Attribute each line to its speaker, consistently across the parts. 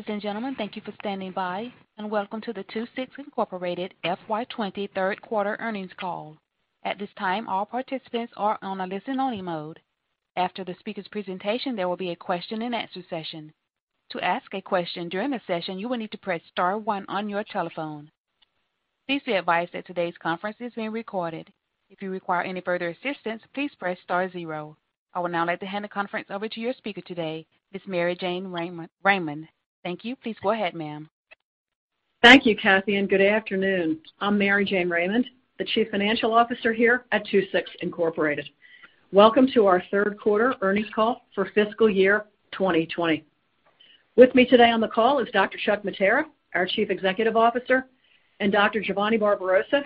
Speaker 1: Ladies and gentlemen, thank you for standing by, and welcome to the II-VI Incorporated FY 2020 third quarter earnings call. At this time, all participants are on a listen-only mode. After the speaker's presentation, there will be a question-and-answer session. To ask a question during the session, you will need to press star one on your telephone. Please be advised that today's conference is being recorded. If you require any further assistance, please press star zero. I will now like to hand the conference over to your speaker today, Ms. Mary Jane Raymond. Thank you. Please go ahead, ma'am.
Speaker 2: Thank you, Kathy, and good afternoon. I'm Mary Jane Raymond, the Chief Financial Officer here at II-VI Incorporated. Welcome to our third quarter earnings call for fiscal year 2020. With me today on the call is Dr. Chuck Mattera, our Chief Executive Officer, and Dr. Giovanni Barbarossa,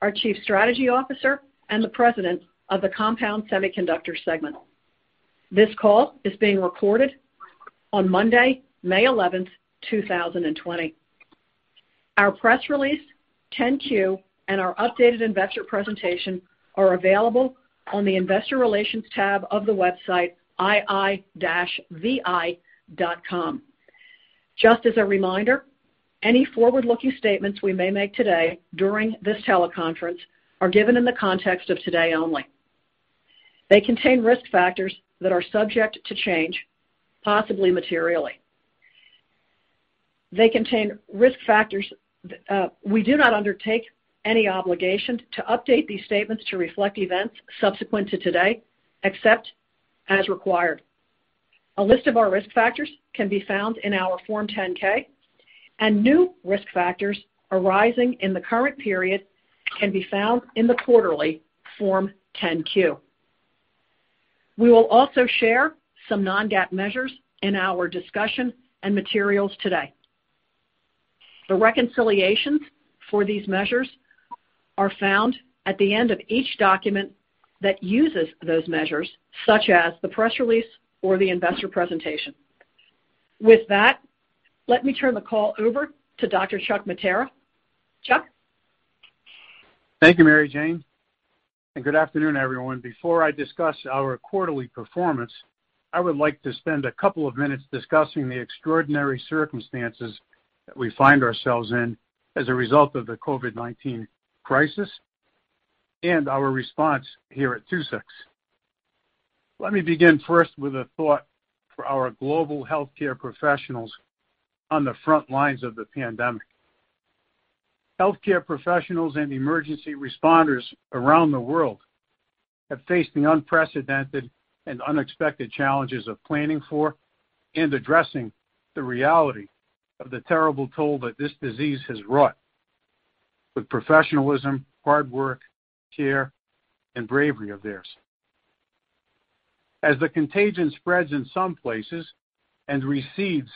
Speaker 2: our Chief Strategy Officer and the President of the Compound Semiconductor Segment. This call is being recorded on Monday, May 11th, 2020. Our press release, 10-Q, and our updated investor presentation are available on the investor relations tab of the website ii-vi.com. Just as a reminder, any forward-looking statements we may make today during this teleconference are given in the context of today only. They contain risk factors that are subject to change, possibly materially. They contain risk factors; we do not undertake any obligation to update these statements to reflect events subsequent to today, except as required. A list of our risk factors can be found in our Form 10-K, and new risk factors arising in the current period can be found in the quarterly Form 10-Q. We will also share some non-GAAP measures in our discussion and materials today. The reconciliations for these measures are found at the end of each document that uses those measures, such as the press release or the investor presentation. With that, let me turn the call over to Dr. Chuck Mattera. Chuck.
Speaker 3: Thank you, Mary Jane. Good afternoon, everyone. Before I discuss our quarterly performance, I would like to spend a couple of minutes discussing the extraordinary circumstances that we find ourselves in as a result of the COVID-19 crisis and our response here at II-VI. Let me begin first with a thought for our global healthcare professionals on the front lines of the pandemic. Healthcare professionals and emergency responders around the world have faced the unprecedented and unexpected challenges of planning for and addressing the reality of the terrible toll that this disease has wrought with professionalism, hard work, care, and bravery of theirs. As the contagion spreads in some places and recedes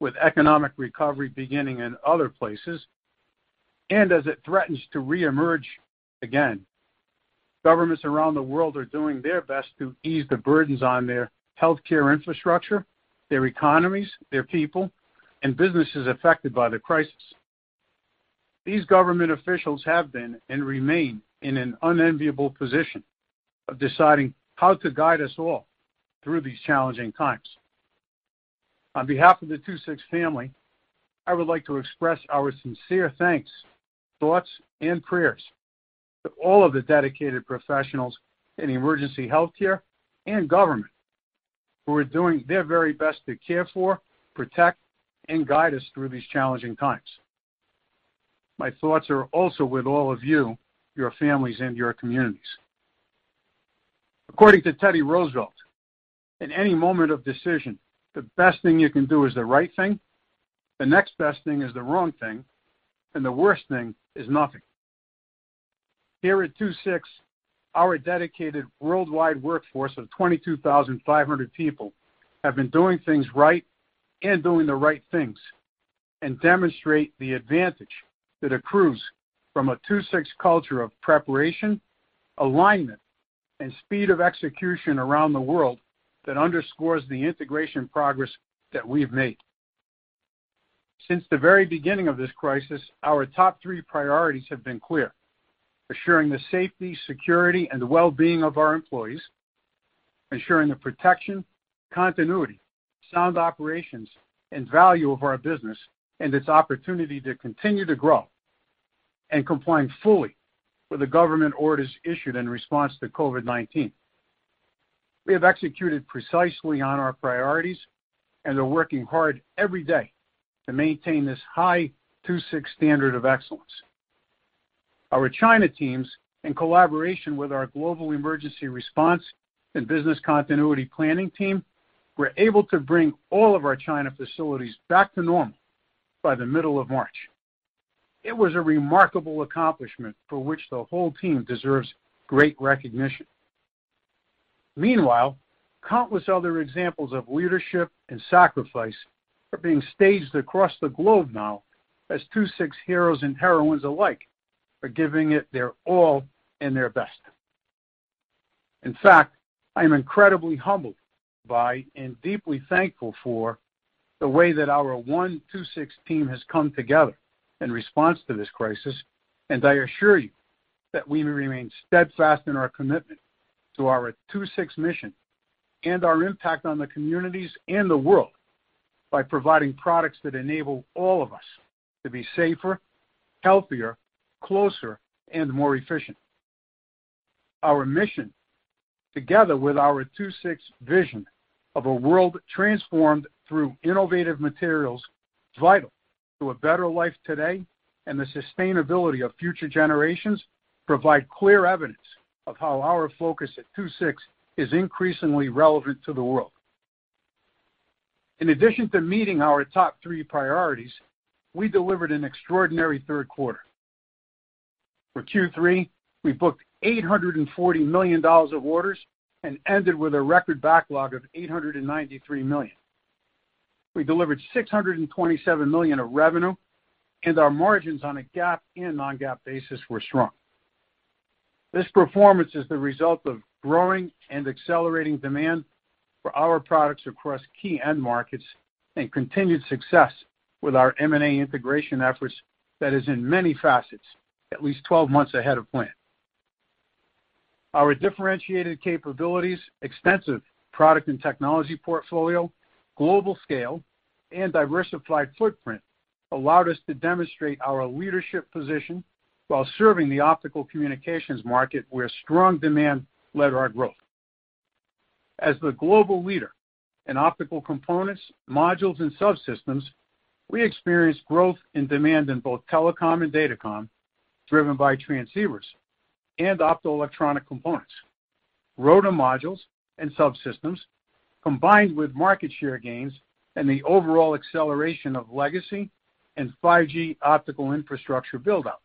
Speaker 3: with economic recovery beginning in other places, and as it threatens to reemerge again, governments around the world are doing their best to ease the burdens on their healthcare infrastructure, their economies, their people, and businesses affected by the crisis. These government officials have been and remain in an unenviable position of deciding how to guide us all through these challenging times. On behalf of the II-VI family, I would like to express our sincere thanks, thoughts, and prayers to all of the dedicated professionals in emergency healthcare and government who are doing their very best to care for, protect, and guide us through these challenging times. My thoughts are also with all of you, your families, and your communities. According to Theodore Roosevelt, in any moment of decision, the best thing you can do is the right thing, the next best thing is the wrong thing, and the worst thing is nothing. Here at II-VI, our dedicated worldwide workforce of 22,500 people have been doing things right and doing the right things and demonstrate the advantage that accrues from a II-VI culture of preparation, alignment, and speed of execution around the world that underscores the integration progress that we've made. Since the very beginning of this crisis, our top three priorities have been clear: assuring the safety, security, and well-being of our employees, ensuring the protection, continuity, sound operations, and value of our business and its opportunity to continue to grow, and complying fully with the government orders issued in response to COVID-19. We have executed precisely on our priorities and are working hard every day to maintain this high II-VI standard of excellence. Our China teams, in collaboration with our global emergency response and business continuity planning team, were able to bring all of our China facilities back to normal by the middle of March. It was a remarkable accomplishment for which the whole team deserves great recognition. Meanwhile, countless other examples of leadership and sacrifice are being staged across the globe now as II-VI heroes and heroines alike are giving it their all and their best. In fact, I am incredibly humbled by and deeply thankful for the way that our one II-VI team has come together in response to this crisis, and I assure you that we remain steadfast in our commitment to our II-VI mission and our impact on the communities and the world by providing products that enable all of us to be safer, healthier, closer, and more efficient. Our mission, together with our II-VI vision of a world transformed through innovative materials vital to a better life today and the sustainability of future generations, provides clear evidence of how our focus at II-VI is increasingly relevant to the world. In addition to meeting our top three priorities, we delivered an extraordinary third quarter. For Q3, we booked $840 million of orders and ended with a record backlog of $893 million. We delivered $627 million of revenue, and our margins on a GAAP and non-GAAP basis were strong. This performance is the result of growing and accelerating demand for our products across key end markets and continued success with our M&A integration efforts that is, in many facets, at least 12 months ahead of plan. Our differentiated capabilities, extensive product and technology portfolio, global scale, and diversified footprint allowed us to demonstrate our leadership position while serving the optical communications market where strong demand led our growth. As the global leader in optical components, modules, and subsystems, we experienced growth in demand in both telecom and data com driven by transceivers and optoelectronic components. ROADM modules and subsystems combined with market share gains and the overall acceleration of legacy and 5G optical infrastructure build-out.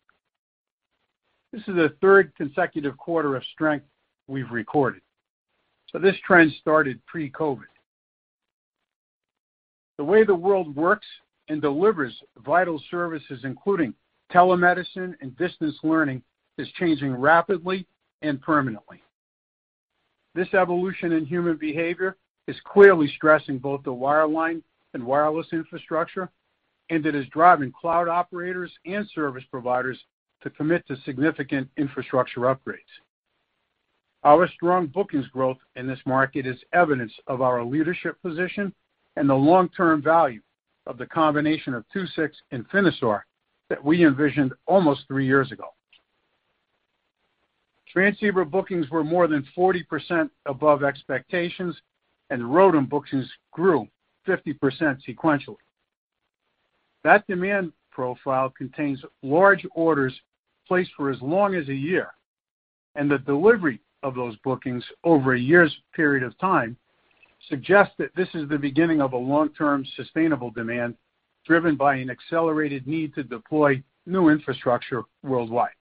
Speaker 3: This is the third consecutive quarter of strength we've recorded. This trend started pre-COVID. The way the world works and delivers vital services, including telemedicine and distance learning, is changing rapidly and permanently. This evolution in human behavior is clearly stressing both the wireline and wireless infrastructure, and it is driving cloud operators and service providers to commit to significant infrastructure upgrades. Our strong bookings growth in this market is evidence of our leadership position and the long-term value of the combination of II-VI and Finisar that we envisioned almost three years ago. Transceiver bookings were more than 40% above expectations, and ROADM bookings grew 50% sequentially. That demand profile contains large orders placed for as long as a year, and the delivery of those bookings over a year's period of time suggests that this is the beginning of a long-term sustainable demand driven by an accelerated need to deploy new infrastructure worldwide.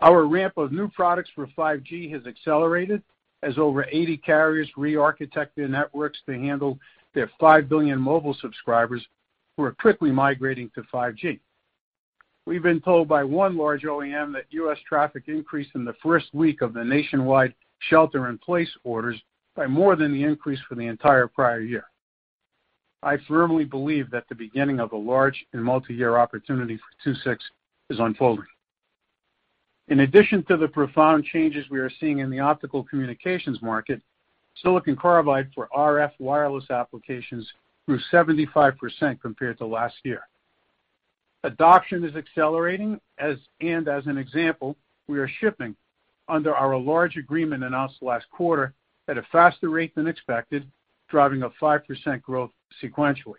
Speaker 3: Our ramp of new products for 5G has accelerated as over 80 carriers re-architected networks to handle their 5 billion mobile subscribers who are quickly migrating to 5G. We've been told by one large OEM that U.S. traffic increased in the first week of the nationwide shelter-in-place orders by more than the increase for the entire prior year. I firmly believe that the beginning of a large and multi-year opportunity for II-VI is unfolding. In addition to the profound changes we are seeing in the optical communications market, silicon carbide for RF wireless applications grew 75% compared to last year. Adoption is accelerating, and as an example, we are shipping under our large agreement announced last quarter at a faster rate than expected, driving a 5% growth sequentially.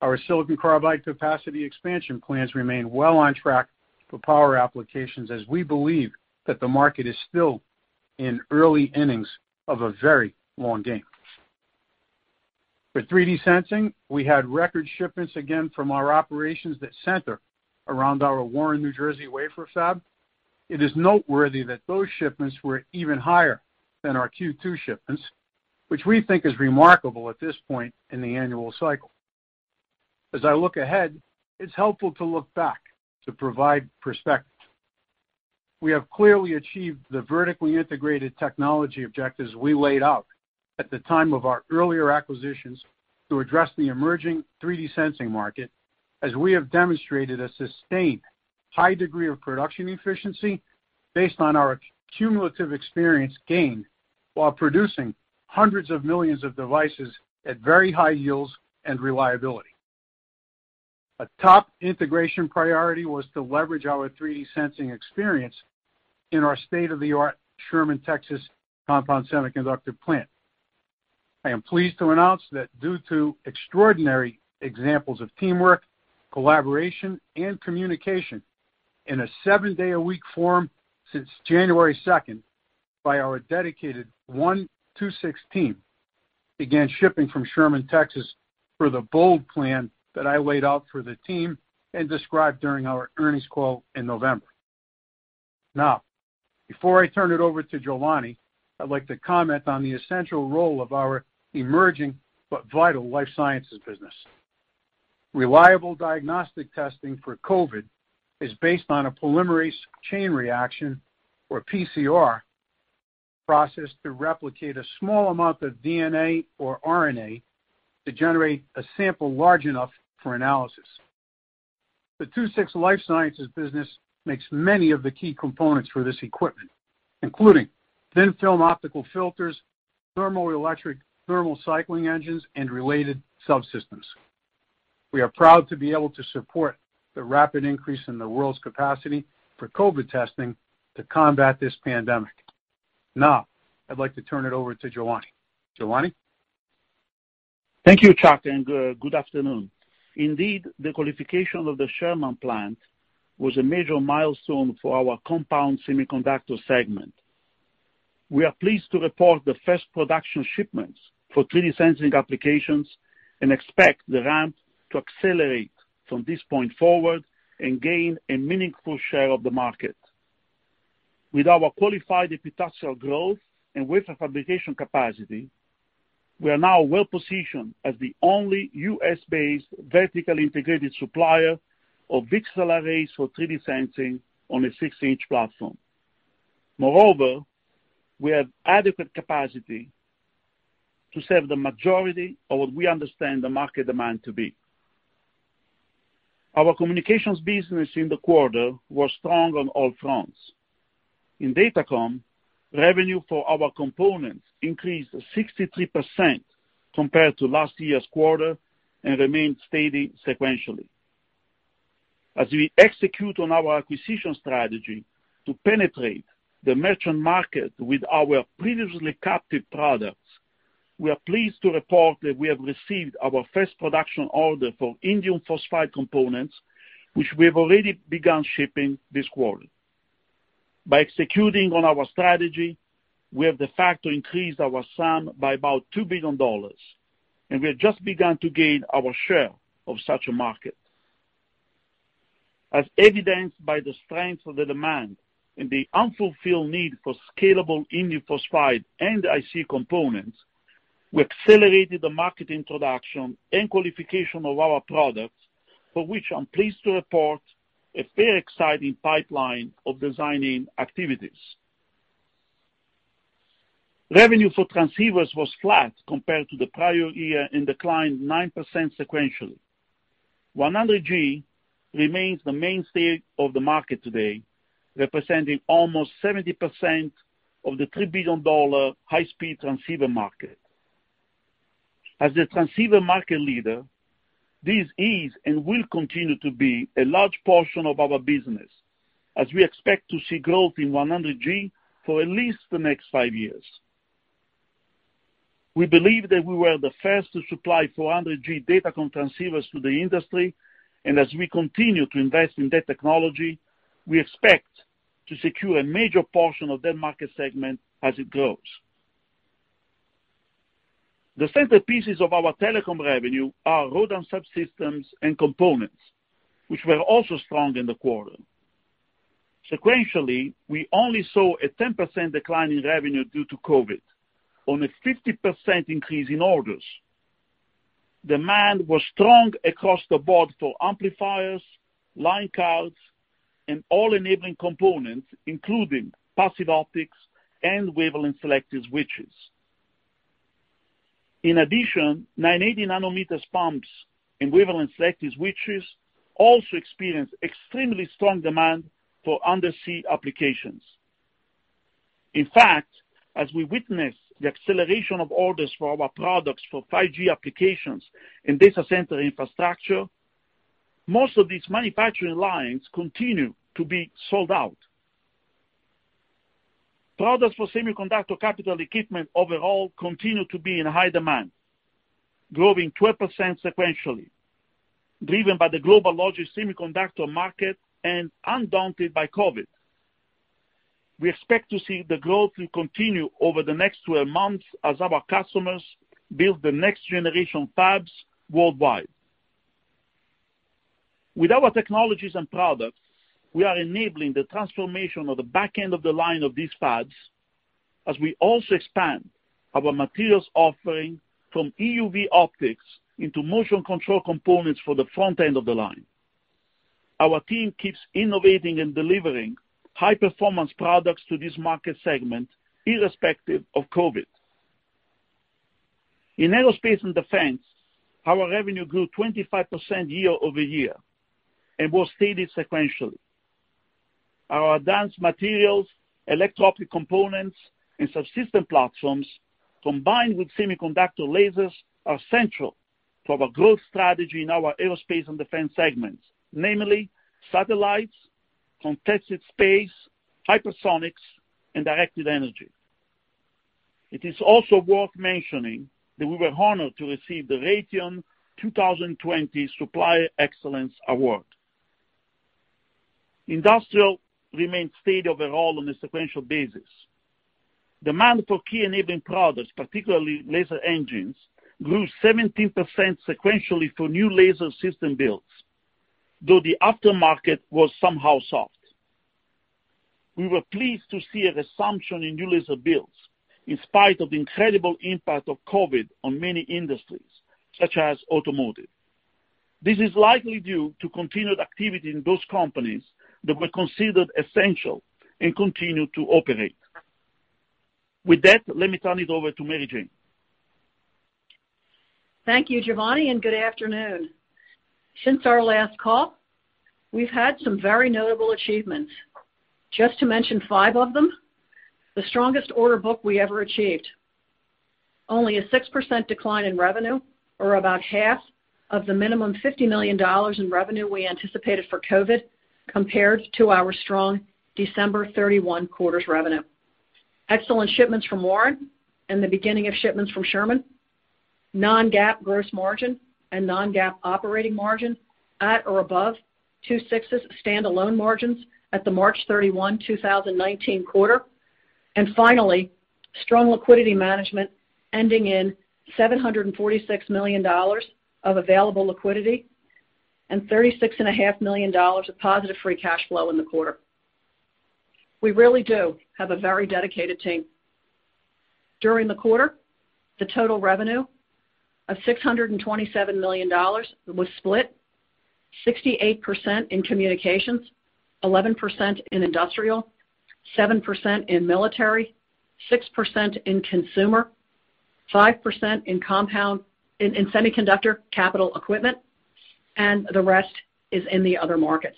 Speaker 3: Our silicon carbide capacity expansion plans remain well on track for power applications as we believe that the market is still in the early innings of a very long game. For 3D sensing, we had record shipments again from our operations that center around our Warren, New Jersey wafer fab. It is noteworthy that those shipments were even higher than our Q2 shipments, which we think is remarkable at this point in the annual cycle. As I look ahead, it's helpful to look back to provide perspective. We have clearly achieved the vertically integrated technology objectives we laid out at the time of our earlier acquisitions to address the emerging 3D sensing market as we have demonstrated a sustained high degree of production efficiency based on our cumulative experience gained while producing hundreds of millions of devices at very high yields and reliability. A top integration priority was to leverage our 3D sensing experience in our state-of-the-art Sherman, Texas compound semiconductor plant. I am pleased to announce that due to extraordinary examples of teamwork, collaboration, and communication in a seven-day-a-week form since January 2nd by our dedicated II-VI team, we began shipping from Sherman, Texas for the bold plan that I laid out for the team and described during our earnings call in November. Now, before I turn it over to Giovanni, I'd like to comment on the essential role of our emerging but vital life sciences business. Reliable diagnostic testing for COVID-19 is based on a polymerase chain reaction or PCR process to replicate a small amount of DNA or RNA to generate a sample large enough for analysis. The II-VI life sciences business makes many of the key components for this equipment, including thin-film optical filters, thermoelectric thermal cycling engines, and related subsystems. We are proud to be able to support the rapid increase in the world's capacity for COVID testing to combat this pandemic. Now, I'd like to turn it over to Giovanni. Giovanni?
Speaker 4: Thank you, Chuck, and good afternoon. Indeed, the qualification of the Sherman plant was a major milestone for our compound semiconductor segment. We are pleased to report the first production shipments for 3D sensing applications and expect the ramp to accelerate from this point forward and gain a meaningful share of the market. With our qualified epitaxial growth and with our fabrication capacity, we are now well-positioned as the only U.S.-based vertically integrated supplier of pixel arrays for 3D sensing on a six-inch platform. Moreover, we have adequate capacity to serve the majority of what we understand the market demand to be. Our communications business in the quarter was strong on all fronts. In data com, revenue for our components increased 63% compared to last year's quarter and remained steady sequentially. As we execute on our acquisition strategy to penetrate the merchant market with our previously captive products, we are pleased to report that we have received our first production order for indium phosphide components, which we have already begun shipping this quarter. By executing on our strategy, we have de facto increased our sum by about $2 billion, and we have just begun to gain our share of such a market. As evidenced by the strength of the demand and the unfulfilled need for scalable indium phosphide and IC components, we accelerated the market introduction and qualification of our products, for which I'm pleased to report a very exciting pipeline of designing activities. Revenue for transceivers was flat compared to the prior year and declined 9% sequentially. 100G remains the mainstay of the market today, representing almost 70% of the $3 billion high-speed transceiver market. As the transceiver market leader, this is and will continue to be a large portion of our business, as we expect to see growth in 100G for at least the next five years. We believe that we were the first to supply 400G data com transceivers to the industry, and as we continue to invest in that technology, we expect to secure a major portion of that market segment as it grows. The centerpieces of our telecom revenue are ROADM subsystems and components, which were also strong in the quarter. Sequentially, we only saw a 10% decline in revenue due to COVID, on a 50% increase in orders. Demand was strong across the board for amplifiers, line cards, and all enabling components, including passive optics and wavelength selective switches. In addition, 980 nm pumps and wavelength selective switches also experienced extremely strong demand for undersea applications. In fact, as we witnessed the acceleration of orders for our products for 5G applications and data center infrastructure, most of these manufacturing lines continue to be sold out. Products for semiconductor capital equipment overall continue to be in high demand, growing 12% sequentially, driven by the global large semiconductor market and undaunted by COVID. We expect to see the growth continue over the next 12 months as our customers build the next generation fabs worldwide. With our technologies and products, we are enabling the transformation of the back end of the line of these fabs as we also expand our materials offering from EUV optics into motion control components for the front end of the line. Our team keeps innovating and delivering high-performance products to this market segment irrespective of COVID. In aerospace and defense, our revenue grew 25% year-over-year and was steady sequentially. Our advanced materials, electro-optic components, and subsystem platforms combined with semiconductor lasers are central to our growth strategy in our aerospace and defense segments, namely satellites, contested space, hypersonics, and directed energy. It is also worth mentioning that we were honored to receive the Raytheon 2020 Supplier Excellence Award. Industrial remained steady overall on a sequential basis. Demand for key enabling products, particularly laser engines, grew 17% sequentially for new laser system builds, though the aftermarket was somehow soft. We were pleased to see a resumption in new laser builds in spite of the incredible impact of COVID on many industries, such as automotive. This is likely due to continued activity in those companies that were considered essential and continue to operate. With that, let me turn it over to Mary Jane.
Speaker 2: Thank you, Giovanni, and good afternoon. Since our last call, we've had some very notable achievements. Just to mention five of them, the strongest order book we ever achieved. Only a 6% decline in revenue, or about half of the minimum $50 million in revenue we anticipated for COVID compared to our strong December 31, 2019 quarter's revenue. Excellent shipments from Warren and the beginning of shipments from Sherman. Non-GAAP gross margin and non-GAAP operating margin at or above II-VI's standalone margins at the March 31, 2019 quarter. Finally, strong liquidity management ending in $746 million of available liquidity and $36.5 million of positive free cash flow in the quarter. We really do have a very dedicated team. During the quarter, the total revenue of $627 million was split, 68% in communications, 11% in industrial, 7% in military, 6% in consumer, 5% in semiconductor capital equipment, and the rest is in the other markets.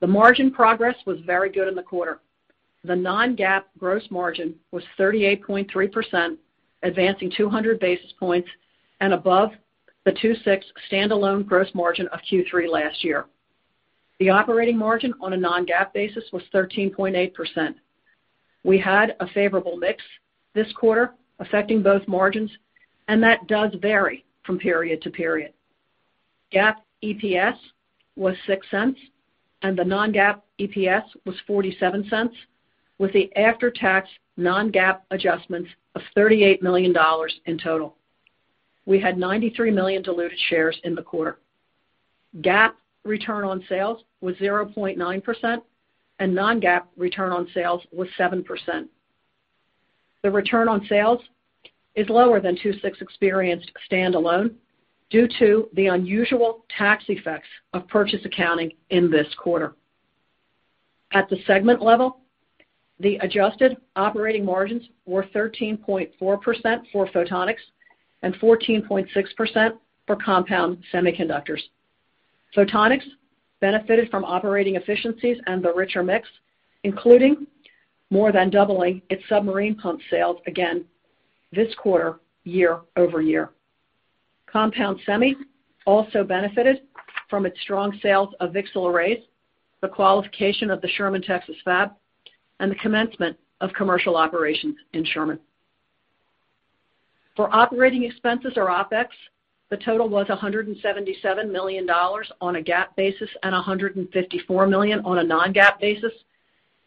Speaker 2: The margin progress was very good in the quarter. The non-GAAP gross margin was 38.3%, advancing 200 basis points and above the 26% standalone gross margin of Q3 last year. The operating margin on a non-GAAP basis was 13.8%. We had a favorable mix this quarter affecting both margins, and that does vary from period to period. GAAP EPS was $0.06, and the non-GAAP EPS was $0.47, with the after-tax non-GAAP adjustments of $38 million in total. We had 93 million diluted shares in the quarter. GAAP return on sales was 0.9%, and non-GAAP return on sales was 7%. The return on sales is lower than II-VI experienced standalone due to the unusual tax effects of purchase accounting in this quarter. At the segment level, the adjusted operating margins were 13.4% for photonics and 14.6% for compound semiconductors. Photonics benefited from operating efficiencies and the richer mix, including more than doubling its submarine pump sales again this quarter year over year. Compound Semi also benefited from its strong sales of VCSEL arrays, the qualification of the Sherman, Texas fab, and the commencement of commercial operations in Sherman. For operating expenses or OpEx, the total was $177 million on a GAAP basis and $154 million on a non-GAAP basis,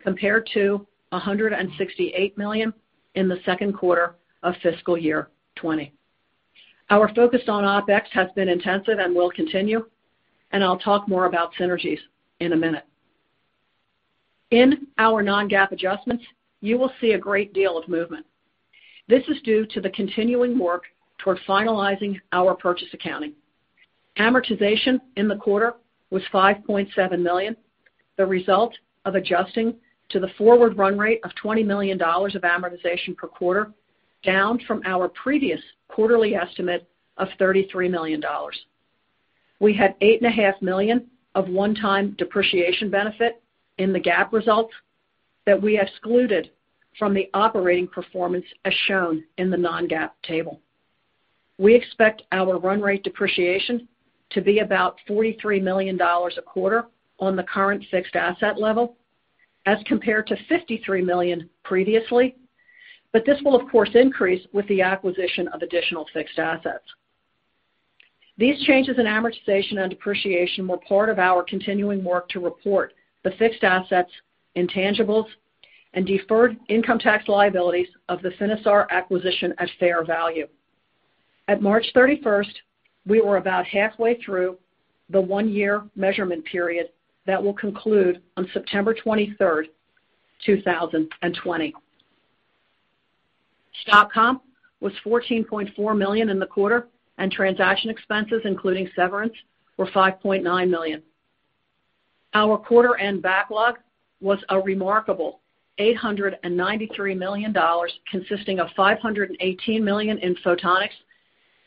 Speaker 2: compared to $168 million in the second quarter of fiscal year 2020. Our focus on OpEx has been intensive and will continue, and I'll talk more about synergies in a minute. In our non-GAAP adjustments, you will see a great deal of movement. This is due to the continuing work toward finalizing our purchase accounting. Amortization in the quarter was $5.7 million, the result of adjusting to the forward run rate of $20 million of amortization per quarter, down from our previous quarterly estimate of $33 million. We had $8.5 million of one-time depreciation benefit in the GAAP results that we excluded from the operating performance as shown in the non-GAAP table. We expect our run rate depreciation to be about $43 million a quarter on the current fixed asset level, as compared to $53 million previously, but this will, of course, increase with the acquisition of additional fixed assets. These changes in amortization and depreciation were part of our continuing work to report the fixed assets intangibles and deferred income tax liabilities of the Finisar acquisition at fair value. At March 31st, we were about halfway through the one-year measurement period that will conclude on September 23rd, 2020. Stock comp was $14.4 million in the quarter, and transaction expenses, including severance, were $5.9 million. Our quarter-end backlog was a remarkable $893 million, consisting of $518 million in photonics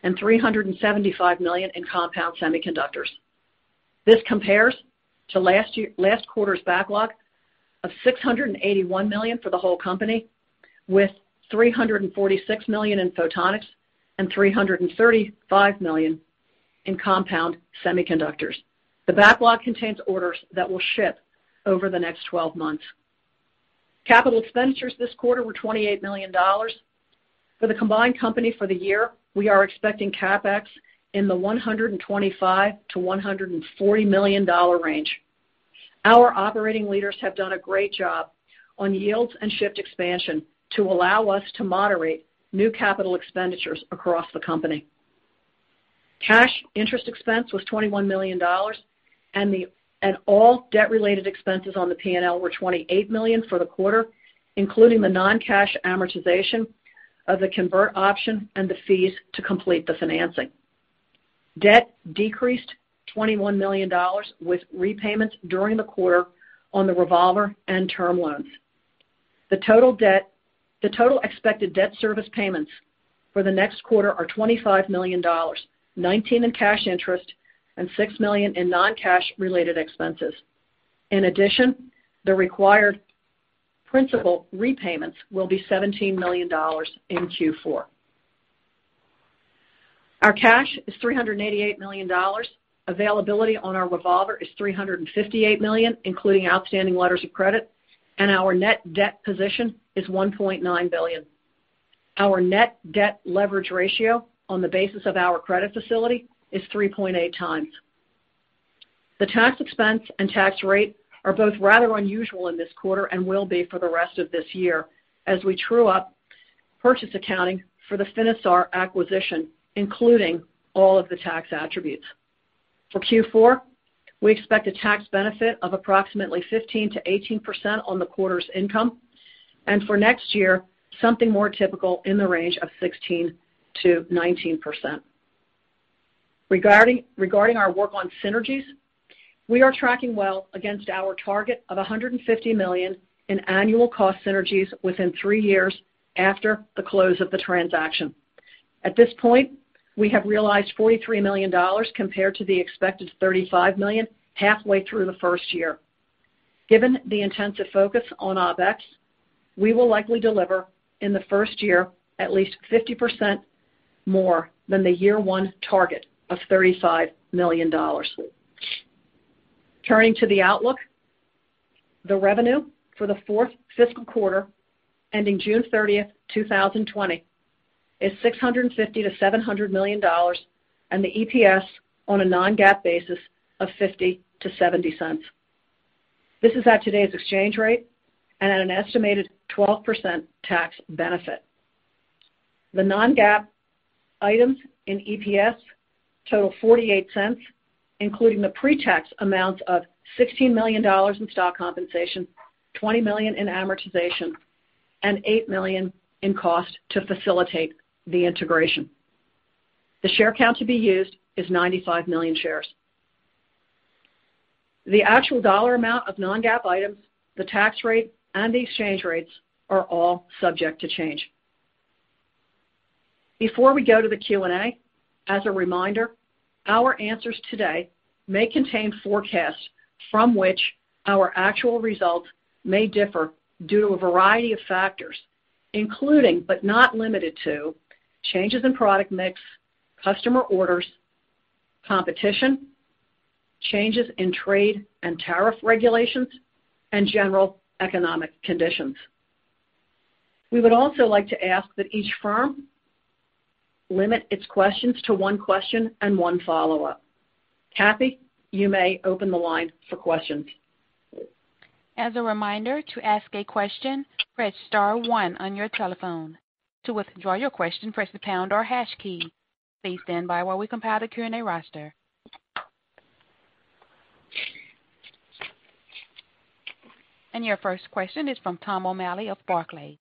Speaker 2: and $375 million in compound semiconductors. This compares to last quarter's backlog of $681 million for the whole company, with $346 million in photonics and $335 million in compound semiconductors. The backlog contains orders that will ship over the next 12 months. Capital expenditures this quarter were $28 million. For the combined company for the year, we are expecting CapEx in the $125 million-$140 million range. Our operating leaders have done a great job on yields and shift expansion to allow us to moderate new capital expenditures across the company. Cash interest expense was $21 million, and all debt-related expenses on the P&L were $28 million for the quarter, including the non-cash amortization of the convert option and the fees to complete the financing. Debt decreased $21 million with repayments during the quarter on the revolver and term loans. The total expected debt service payments for the next quarter are $25 million, $19 million in cash interest and $6 million in non-cash-related expenses. In addition, the required principal repayments will be $17 million in Q4. Our cash is $388 million. Availability on our revolver is $358 million, including outstanding letters of credit, and our net debt position is $1.9 billion. Our net debt leverage ratio on the basis of our credit facility is 3.8x. The tax expense and tax rate are both rather unusual in this quarter and will be for the rest of this year as we true up purchase accounting for the Finisar acquisition, including all of the tax attributes. For Q4, we expect a tax benefit of approximately 15%-18% on the quarter's income, and for next year, something more typical in the range of 16%-19%. Regarding our work on synergies, we are tracking well against our target of $150 million in annual cost synergies within three years after the close of the transaction. At this point, we have realized $43 million compared to the expected $35 million halfway through the first year. Given the intensive focus on OpEx, we will likely deliver in the first year at least 50% more than the year-one target of $35 million. Turning to the outlook, the revenue for the fourth fiscal quarter ending June 30th, 2020, is $650 million-$700 million, and the EPS on a non-GAAP basis of $0.50-$0.70. This is at today's exchange rate and at an estimated 12% tax benefit. The non-GAAP items in EPS total $0.48, including the pre-tax amounts of $16 million in stock compensation, $20 million in amortization, and $8 million in cost to facilitate the integration. The share count to be used is 95 million shares. The actual dollar amount of non-GAAP items, the tax rate, and the exchange rates are all subject to change. Before we go to the Q&A, as a reminder, our answers today may contain forecasts from which our actual results may differ due to a variety of factors, including but not limited to changes in product mix, customer orders, competition, changes in trade and tariff regulations, and general economic conditions. We would also like to ask that each firm limit its questions to one question and one follow-up. Kathy, you may open the line for questions.
Speaker 1: As a reminder, to ask a question, press star one on your telephone. To withdraw your question, press the pound or hash key. Please stand by while we compile the Q&A roster. Your first question is from Tom O'Malley of Barclays.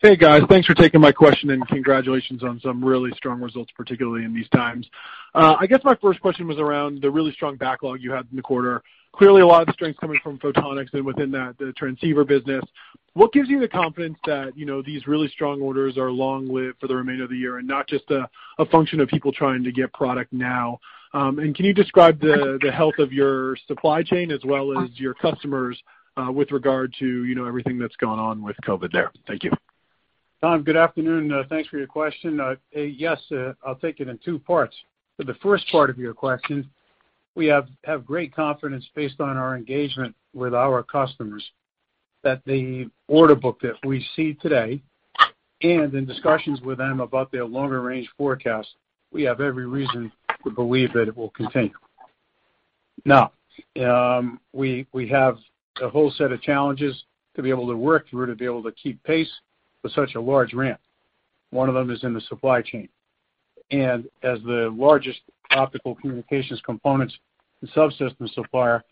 Speaker 5: Hey, guys. Thanks for taking my question and congratulations on some really strong results, particularly in these times. I guess my first question was around the really strong backlog you had in the quarter. Clearly, a lot of strength coming from photonics and within that transceiver business. What gives you the confidence that these really strong orders are long-lived for the remainder of the year and not just a function of people trying to get product now? Can you describe the health of your supply chain as well as your customers with regard to everything that's gone on with COVID there? Thank you.
Speaker 3: Tom, good afternoon. Thanks for your question. Yes, I'll take it in two parts. For the first part of your question, we have great confidence based on our engagement with our customers that the order book that we see today and in discussions with them about their longer-range forecast, we have every reason to believe that it will continue. Now, we have a whole set of challenges to be able to work through to be able to keep pace with such a large ramp. One of them is in the supply chain. As the largest optical communications components and subsystem supplier,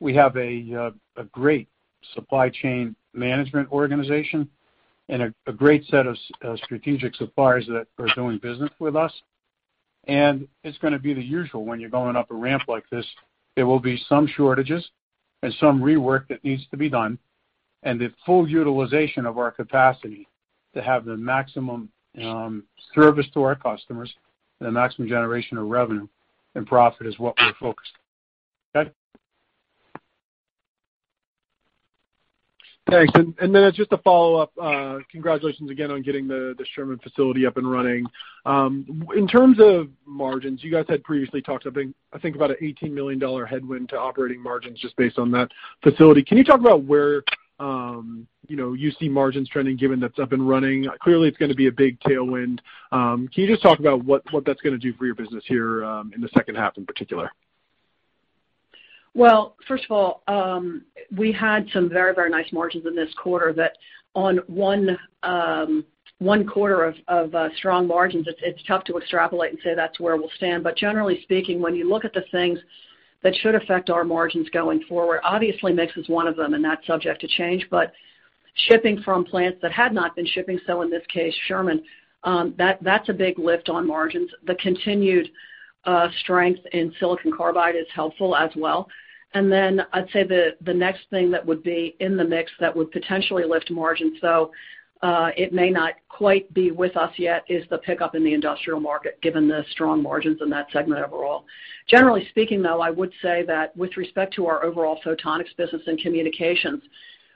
Speaker 3: we have a great supply chain management organization and a great set of strategic suppliers that are doing business with us. It's going to be the usual when you're going up a ramp like this. There will be some shortages and some rework that needs to be done. The full utilization of our capacity to have the maximum service to our customers and the maximum generation of revenue and profit is what we're focused on. Okay?
Speaker 5: Thanks. Just to follow up, congratulations again on getting the Sherman facility up and running. In terms of margins, you guys had previously talked about, I think, about an $18 million headwind to operating margins just based on that facility. Can you talk about where you see margins trending given that it's up and running? Clearly, it's going to be a big tailwind. Can you just talk about what that's going to do for your business here in the second half in particular?
Speaker 2: First of all, we had some very, very nice margins in this quarter that on one quarter of strong margins, it's tough to extrapolate and say that's where we'll stand. Generally speaking, when you look at the things that should affect our margins going forward, obviously, mix is one of them, and that's subject to change. Shipping from plants that had not been shipping, so in this case, Sherman, that's a big lift on margins. The continued strength in silicon carbide is helpful as well. I'd say the next thing that would be in the mix that would potentially lift margins, though it may not quite be with us yet, is the pickup in the industrial market given the strong margins in that segment overall. Generally speaking, though, I would say that with respect to our overall photonics business and communications,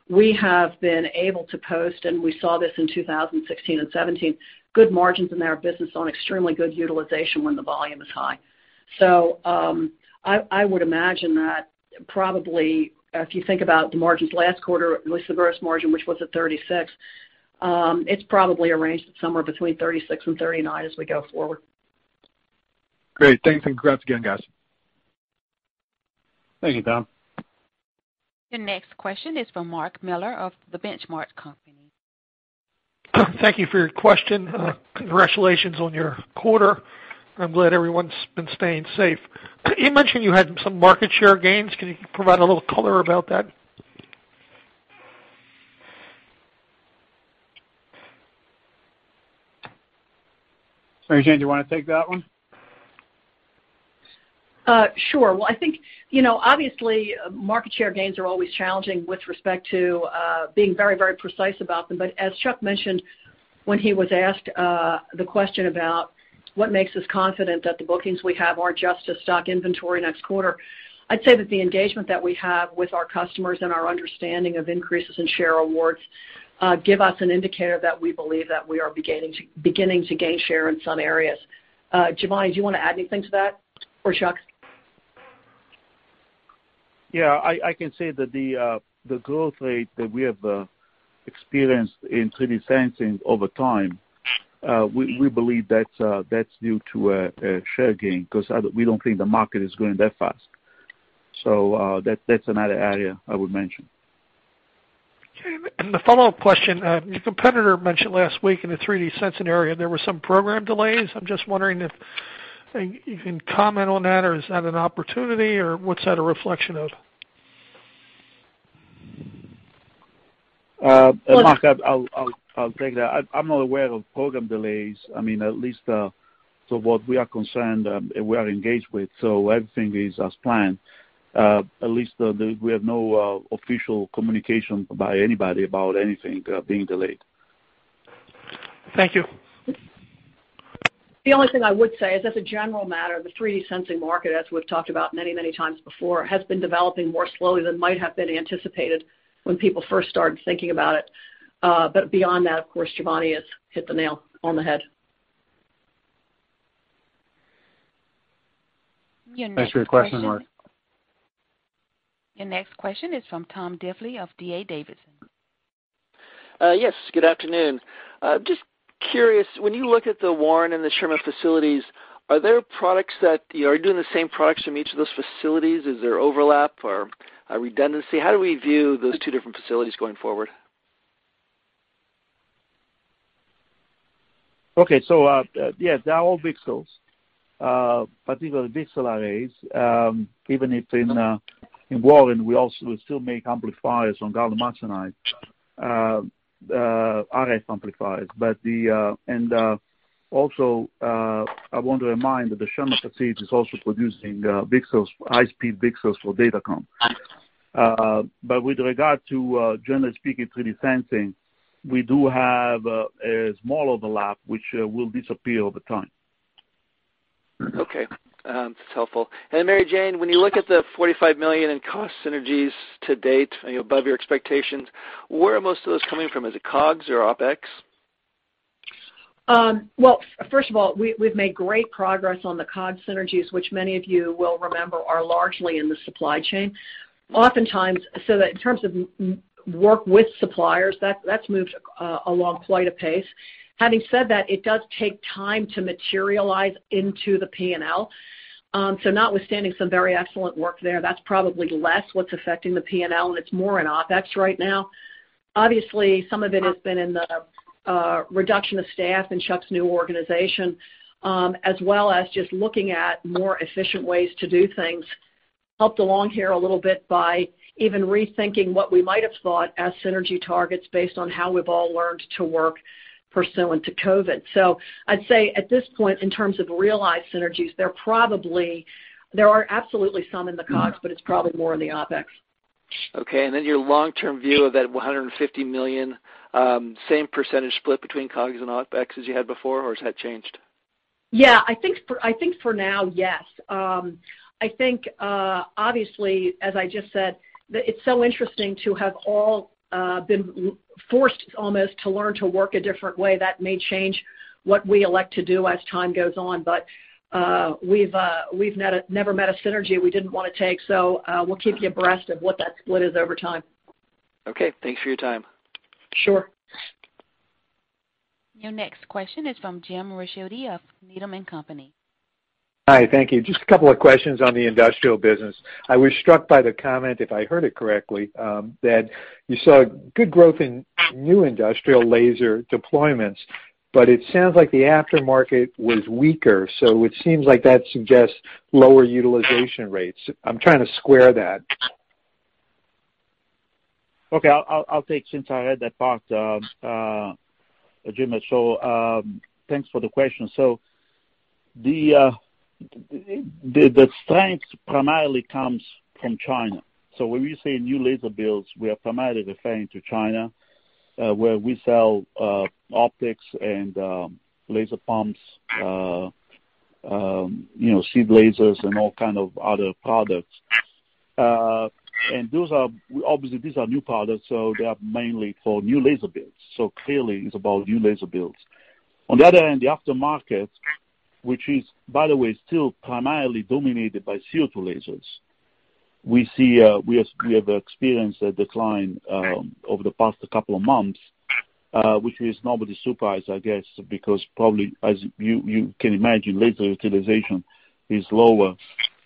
Speaker 2: we have been able to post, and we saw this in 2016 and 2017, good margins in our business on extremely good utilization when the volume is high. I would imagine that probably if you think about the margins last quarter, at least the gross margin, which was at 36%, it is probably arranged somewhere between 36%-39% as we go forward.
Speaker 5: Great. Thanks. Congrats again, guys.
Speaker 3: Thank you, Tom.
Speaker 1: The next question is from Mark Miller of the Benchmark Company.
Speaker 6: Thank you for your question. Congratulations on your quarter. I'm glad everyone's been staying safe. You mentioned you had some market share gains. Can you provide a little color about that?
Speaker 3: Jane, do you want to take that one?
Speaker 2: Sure. I think, obviously, market share gains are always challenging with respect to being very, very precise about them. As Chuck mentioned, when he was asked the question about what makes us confident that the bookings we have are not just to stock inventory next quarter, I'd say that the engagement that we have with our customers and our understanding of increases in share awards give us an indicator that we believe that we are beginning to gain share in some areas. Giovanni, do you want to add anything to that or Chuck?
Speaker 4: Yeah. I can say that the growth rate that we have experienced in 3D sensing over time, we believe that's due to a share gain because we don't think the market is growing that fast. That is another area I would mention.
Speaker 6: Sure. The follow-up question, your competitor mentioned last week in the 3D sensing area, there were some program delays. I'm just wondering if you can comment on that, or is that an opportunity, or what's that a reflection of?
Speaker 4: Mark, I'll take that. I'm not aware of program delays. I mean, at least to what we are concerned, we are engaged with. Everything is as planned. At least we have no official communication by anybody about anything being delayed.
Speaker 6: Thank you.
Speaker 2: The only thing I would say is, as a general matter, the 3D sensing market, as we've talked about many, many times before, has been developing more slowly than might have been anticipated when people first started thinking about it. Beyond that, of course, Giovanni has hit the nail on the head.
Speaker 3: Thanks for your question, Mark.
Speaker 1: Your next question is from Tom Difley of D. A. Davidson.
Speaker 7: Yes. Good afternoon. Just curious, when you look at the Warren and the Sherman facilities, are there products that are you doing the same products from each of those facilities? Is there overlap or redundancy? How do we view those two different facilities going forward?
Speaker 3: Okay. So yeah, they're all VCSELs, particularly VCSEL arrays. Even if in Warren, we still make amplifiers on gallium nitride RF amplifiers. Also, I want to remind that the Sherman facility is also producing VCSELs, high-speed VCSELs for data com. With regard to, generally speaking, 3D sensing, we do have a small overlap, which will disappear over time.
Speaker 7: Okay. That's helpful. Mary Jane, when you look at the $45 million in cost synergies to date and above your expectations, where are most of those coming from? Is it COGS or OpEx?
Speaker 2: First of all, we've made great progress on the COGS synergies, which many of you will remember are largely in the supply chain. Oftentimes, in terms of work with suppliers, that's moved along quite a pace. Having said that, it does take time to materialize into the P&L. Notwithstanding some very excellent work there, that's probably less what's affecting the P&L, and it's more in OpEx right now. Obviously, some of it has been in the reduction of staff in Chuck's new organization, as well as just looking at more efficient ways to do things. Helped along here a little bit by even rethinking what we might have thought as synergy targets based on how we've all learned to work pursuant to COVID. I'd say at this point, in terms of realized synergies, there are absolutely some in the COGS, but it's probably more in the OpEx.
Speaker 7: Okay. And then your long-term view of that $150 million, same percentage split between COGS and OpEx as you had before, or has that changed?
Speaker 2: Yeah. I think for now, yes. I think, obviously, as I just said, it's so interesting to have all been forced almost to learn to work a different way. That may change what we elect to do as time goes on, but we've never met a synergy we didn't want to take. We will keep you abreast of what that split is over time.
Speaker 3: Okay. Thanks for your time.
Speaker 2: Sure.
Speaker 1: Your next question is from Jim Ricchiuti of Needham & Company.
Speaker 8: Hi. Thank you. Just a couple of questions on the industrial business. I was struck by the comment, if I heard it correctly, that you saw good growth in new industrial laser deployments, but it sounds like the aftermarket was weaker. It seems like that suggests lower utilization rates. I'm trying to square that.
Speaker 3: Okay. I'll take since I heard that part, Jim. Thanks for the question. The strength primarily comes from China. When we say new laser builds, we are primarily referring to China where we sell optics and laser pumps, seed lasers, and all kinds of other products. Obviously, these are new products, so they are mainly for new laser builds. Clearly, it's about new laser builds. On the other hand, the aftermarket, which is, by the way, still primarily dominated by CO2 lasers, we have experienced a decline over the past couple of months, which is not really a surprise, I guess, because probably, as you can imagine, laser utilization is lower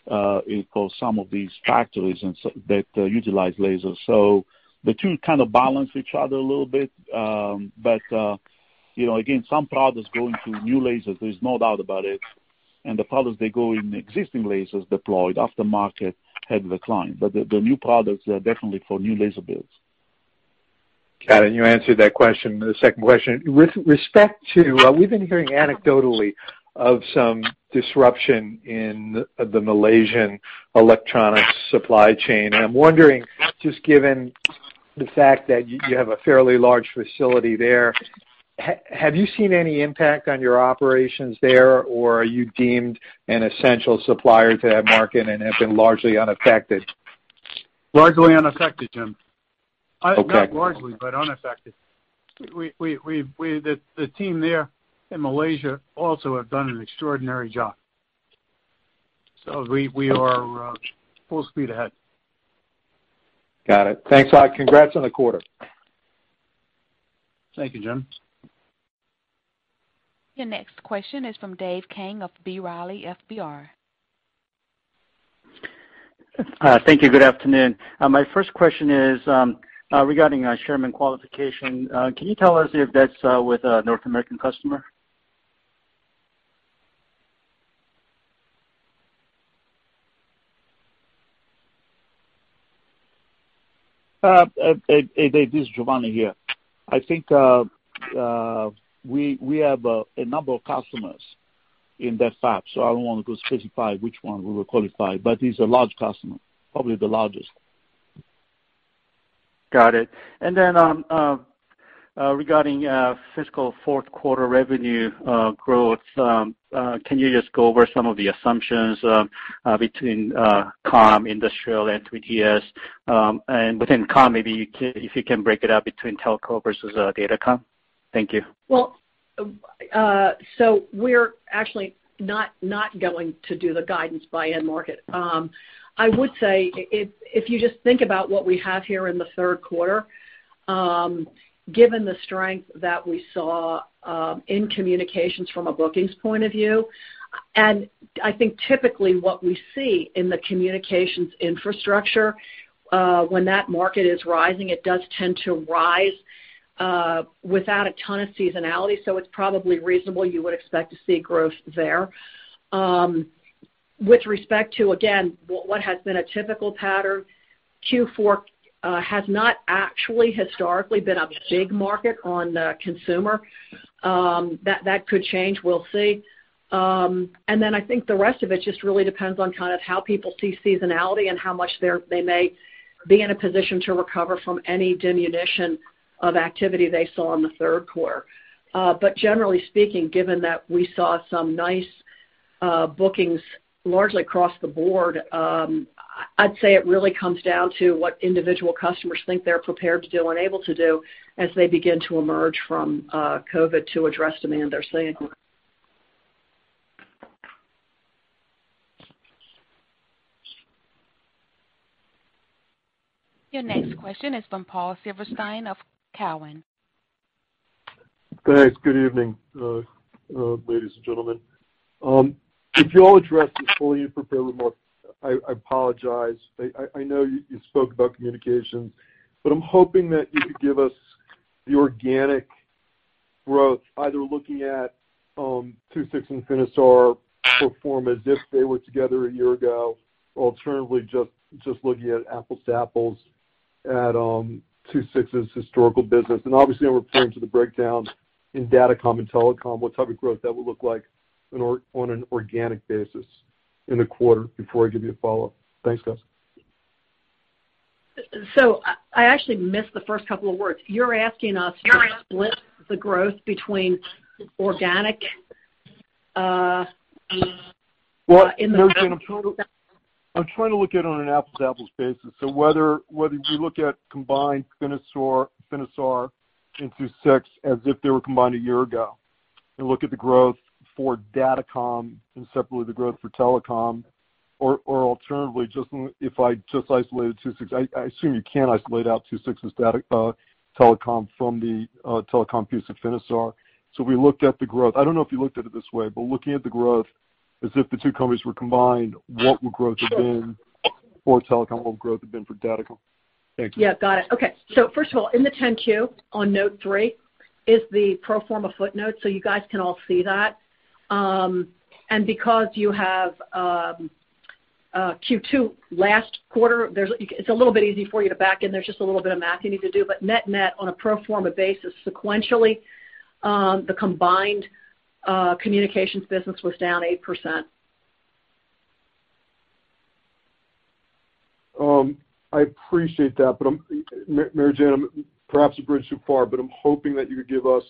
Speaker 3: for some of these factories that utilize lasers. The two kind of balance each other a little bit. Again, some products go into new lasers. There's no doubt about it. The products that go in existing lasers deployed aftermarket have declined. The new products are definitely for new laser builds.
Speaker 8: Got it. You answered that question. The second question, with respect to we've been hearing anecdotally of some disruption in the Malaysian electronics supply chain. I'm wondering, just given the fact that you have a fairly large facility there, have you seen any impact on your operations there, or are you deemed an essential supplier to that market and have been largely unaffected?
Speaker 4: Largely unaffected, Jim. Not largely, but unaffected. The team there in Malaysia also have done an extraordinary job. We are full speed ahead.
Speaker 9: Got it. Thanks, Mark. Congrats on the quarter.
Speaker 3: Thank you, Jim.
Speaker 1: Your next question is from Dave Kang of B. Riley FBR.
Speaker 10: Thank you. Good afternoon. My first question is regarding Sherman qualification. Can you tell us if that's with a North American customer?
Speaker 4: Dave, this is Giovanni here. I think we have a number of customers in that fab, so I do not want to go specify which one we will qualify, but it is a large customer, probably the largest.
Speaker 10: Got it. Regarding fiscal fourth quarter revenue growth, can you just go over some of the assumptions between COM, industrial, and 3DS? Within COM, maybe if you can break it out between telco versus data com. Thank you.
Speaker 2: We're actually not going to do the guidance by end market. I would say if you just think about what we have here in the third quarter, given the strength that we saw in communications from a bookings point of view, and I think typically what we see in the communications infrastructure, when that market is rising, it does tend to rise without a ton of seasonality. It's probably reasonable you would expect to see growth there. With respect to, again, what has been a typical pattern, Q4 has not actually historically been a big market on the consumer. That could change. We'll see. I think the rest of it just really depends on kind of how people see seasonality and how much they may be in a position to recover from any diminution of activity they saw in the third quarter. Generally speaking, given that we saw some nice bookings largely across the board, I'd say it really comes down to what individual customers think they're prepared to do and able to do as they begin to emerge from COVID to address demand they're seeing.
Speaker 1: Your next question is from Paul Silverstein of Cowen.
Speaker 11: Thanks. Good evening, ladies and gentlemen. If you all addressed this fully in prepared remarks, I apologize. I know you spoke about communications, but I'm hoping that you could give us the organic growth, either looking at II-VI and Finisar perform as if they were together a year ago, or alternatively just looking at apples to apples at II-VI's historical business. Obviously, I'm referring to the breakdown in data com and telecom, what type of growth that would look like on an organic basis in the quarter before I give you a follow-up. Thanks, guys.
Speaker 2: I actually missed the first couple of words. You're asking us to split the growth between organic in the.
Speaker 11: I'm trying to look at it on an apples to apples basis. Whether we look at combined Finisar and II-VI as if they were combined a year ago and look at the growth for data com and separately the growth for telecom, or alternatively, if I just isolated II-VI, I assume you can isolate out II-VI's telecom from the telecom piece of Finisar. We looked at the growth. I do not know if you looked at it this way, but looking at the growth as if the two companies were combined, what would growth have been for telecom? What would growth have been for data com? Thank you.
Speaker 2: Yeah. Got it. Okay. First of all, in the 10-Q on note three is the pro forma footnote. You guys can all see that. Because you have Q2 last quarter, it's a little bit easy for you to back in. There's just a little bit of math you need to do. Net-net on a pro forma basis, sequentially, the combined communications business was down 8%.
Speaker 11: I appreciate that. Mary Jane, perhaps a bridge too far, but I'm hoping that you could give us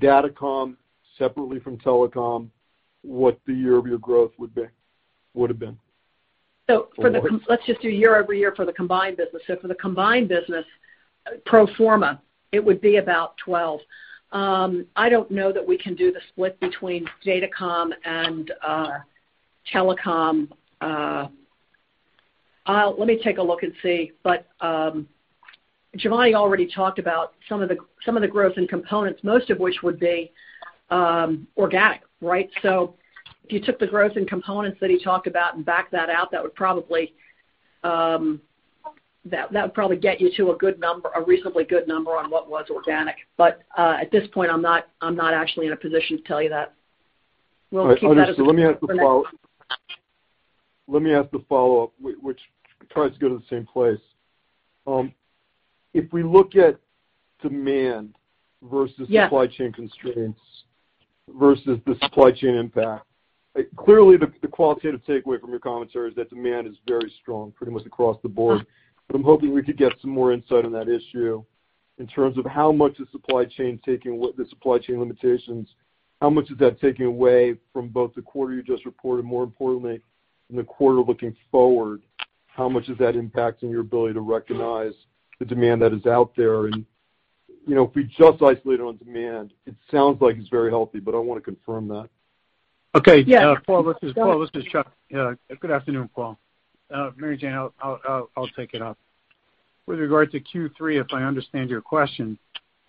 Speaker 11: data com separately from telecom what the year-over-year growth would have been.
Speaker 2: Let's just do year-over-year for the combined business. For the combined business, pro forma, it would be about 12. I don't know that we can do the split between data com and telecom. Let me take a look and see. Giovanni already talked about some of the growth and components, most of which would be organic, right? If you took the growth and components that he talked about and backed that out, that would probably get you to a reasonably good number on what was organic. At this point, I'm not actually in a position to tell you that. We'll keep that as a question.
Speaker 11: Okay. Let me ask the follow-up, which tries to go to the same place. If we look at demand versus supply chain constraints versus the supply chain impact, clearly, the qualitative takeaway from your commentary is that demand is very strong pretty much across the board. I'm hoping we could get some more insight on that issue in terms of how much the supply chain is taking away the supply chain limitations. How much is that taking away from both the quarter you just reported? More importantly, in the quarter looking forward, how much is that impacting your ability to recognize the demand that is out there? If we just isolate it on demand, it sounds like it's very healthy, but I want to confirm that.
Speaker 3: Okay. Yeah. Paul, this is Chuck. Good afternoon, Paul. Mary Jane, I'll take it up. With regard to Q3, if I understand your question,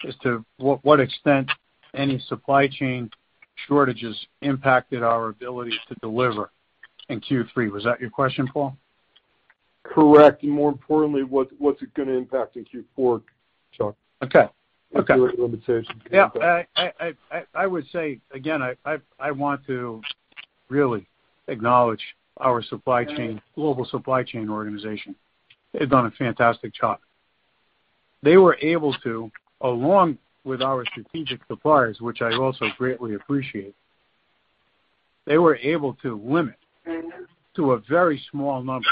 Speaker 3: is to what extent any supply chain shortages impacted our ability to deliver in Q3? Was that your question, Paul?
Speaker 11: Correct. More importantly, what's it going to impact in Q4, Chuck?
Speaker 3: Okay.
Speaker 11: The limitations.
Speaker 3: Yeah. I would say, again, I want to really acknowledge our global supply chain organization. They've done a fantastic job. They were able to, along with our strategic suppliers, which I also greatly appreciate, they were able to limit to a very small number,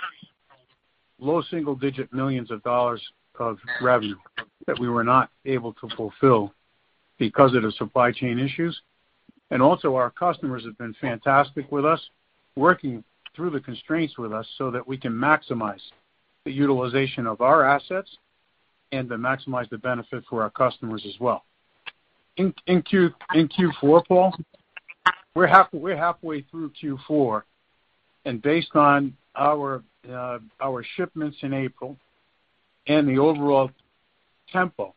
Speaker 3: low single-digit millions of dollars of revenue that we were not able to fulfill because of the supply chain issues. Also, our customers have been fantastic with us, working through the constraints with us so that we can maximize the utilization of our assets and to maximize the benefit for our customers as well. In Q4, Paul, we're halfway through Q4. Based on our shipments in April and the overall tempo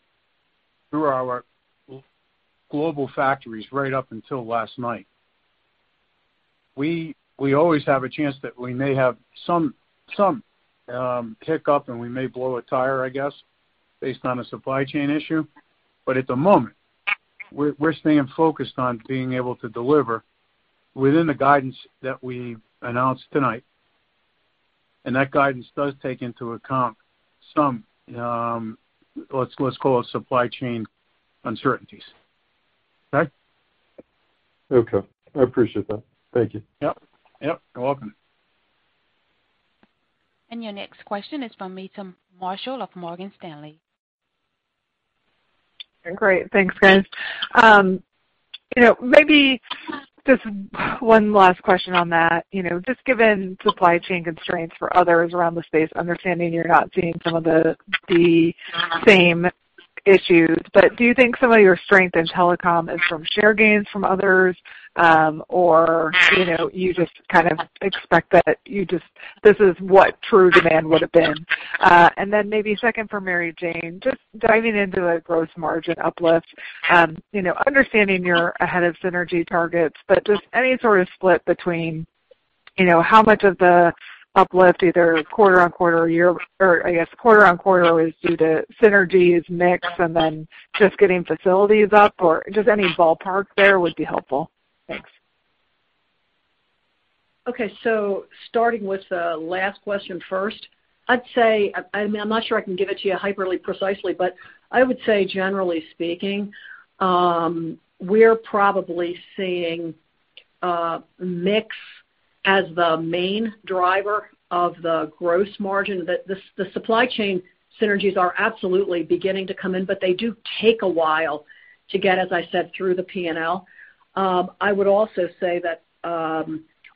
Speaker 3: through our global factories right up until last night, we always have a chance that we may have some hiccup and we may blow a tire, I guess, based on a supply chain issue. At the moment, we're staying focused on being able to deliver within the guidance that we announced tonight. That guidance does take into account some, let's call it, supply chain uncertainties. Okay?
Speaker 11: Okay. I appreciate that. Thank you.
Speaker 3: Yep. Yep. You're welcome.
Speaker 1: Your next question is from Meta Marshall of Morgan Stanley.
Speaker 12: Great. Thanks, guys. Maybe just one last question on that. Just given supply chain constraints for others around the space, understanding you're not seeing some of the same issues, do you think some of your strength in telecom is from share gains from others, or you just kind of expect that this is what true demand would have been? Maybe second for Mary Jane, just diving into the gross margin uplift, understanding you're ahead of Synergy targets, just any sort of split between how much of the uplift, either quarter-on-quarter or year, or I guess quarter on quarter is due to Synergy's mix and then just getting facilities up, or just any ballpark there would be helpful. Thanks.
Speaker 2: Okay. Starting with the last question first, I'd say, I mean, I'm not sure I can give it to you hyperly precisely, but I would say, generally speaking, we're probably seeing mix as the main driver of the gross margin. The supply chain synergies are absolutely beginning to come in, but they do take a while to get, as I said, through the P&L. I would also say that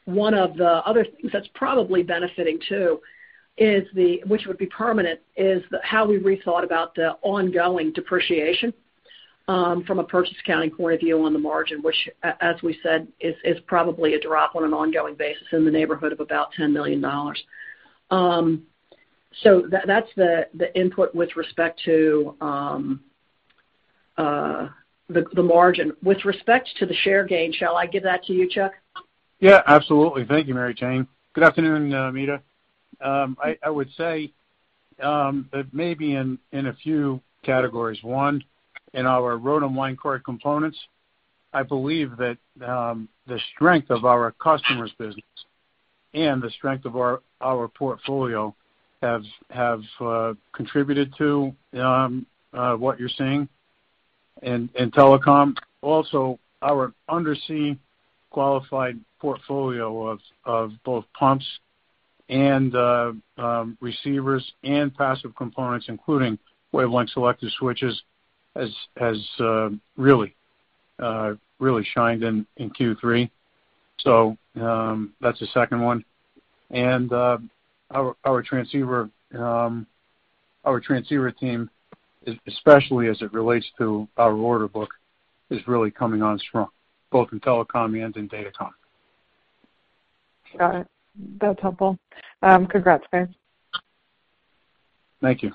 Speaker 2: one of the other things that's probably benefiting too, which would be permanent, is how we rethought about the ongoing depreciation from a purchase accounting point of view on the margin, which, as we said, is probably a drop on an ongoing basis in the neighborhood of about $10 million. That's the input with respect to the margin. With respect to the share gain, shall I give that to you, Chuck?
Speaker 3: Yeah. Absolutely. Thank you, Mary Jane. Good afternoon, Meta. I would say that maybe in a few categories. One, in our road and line core components, I believe that the strength of our customers' business and the strength of our portfolio have contributed to what you're seeing in telecom. Also, our undersea qualified portfolio of both pumps and receivers and passive components, including wavelength selective switches, has really shined in Q3. That is the second one. Our transceiver team, especially as it relates to our order book, is really coming on strong, both in telecom and in data com.
Speaker 12: Got it. That's helpful. Congrats, guys.
Speaker 3: Thank you.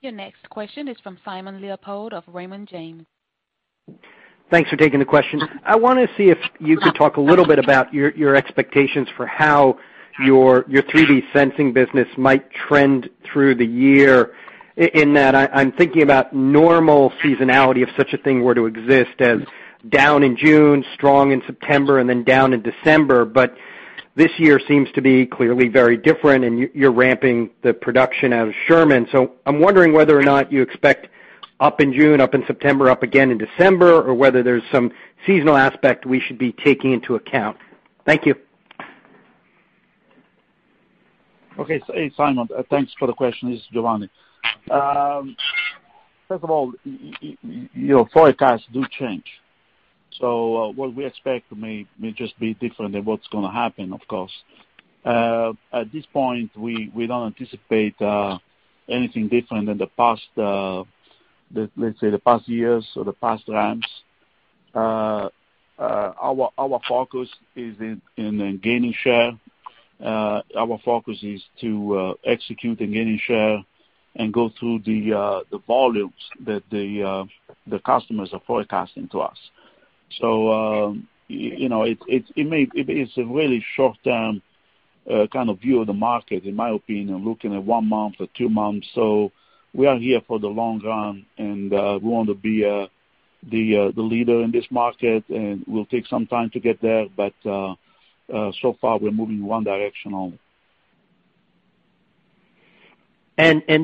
Speaker 1: Your next question is from Simon Leopold of Raymond James.
Speaker 13: Thanks for taking the question. I want to see if you could talk a little bit about your expectations for how your 3D sensing business might trend through the year in that I'm thinking about normal seasonality if such a thing were to exist as down in June, strong in September, and then down in December. This year seems to be clearly very different, and you're ramping the production out of Sherman. I am wondering whether or not you expect up in June, up in September, up again in December, or whether there's some seasonal aspect we should be taking into account. Thank you.
Speaker 4: Okay. Hey, Simon. Thanks for the question. This is Giovanni. First of all, your forecasts do change. What we expect may just be different than what's going to happen, of course. At this point, we don't anticipate anything different than the past, let's say, the past years or the past times. Our focus is in gaining share. Our focus is to execute and gain share and go through the volumes that the customers are forecasting to us. It's a really short-term kind of view of the market, in my opinion, looking at one month or two months. We are here for the long run, and we want to be the leader in this market, and it will take some time to get there. So far, we're moving one direction only.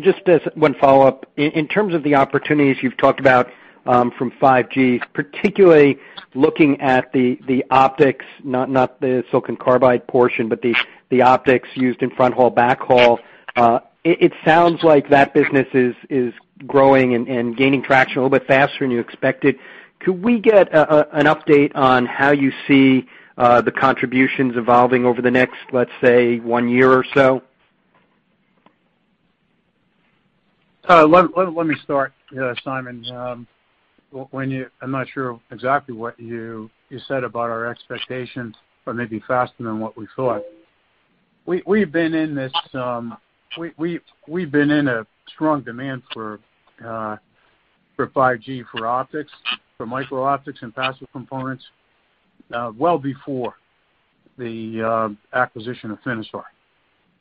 Speaker 13: Just one follow-up. In terms of the opportunities you've talked about from 5G, particularly looking at the optics, not the silicon carbide portion, but the optics used in front hall, back hall, it sounds like that business is growing and gaining traction a little bit faster than you expected. Could we get an update on how you see the contributions evolving over the next, let's say, one year or so?
Speaker 3: Let me start, Simon. I'm not sure exactly what you said about our expectations, but maybe faster than what we thought. We've been in a strong demand for 5G for optics, for micro optics and passive components well before the acquisition of Finisar.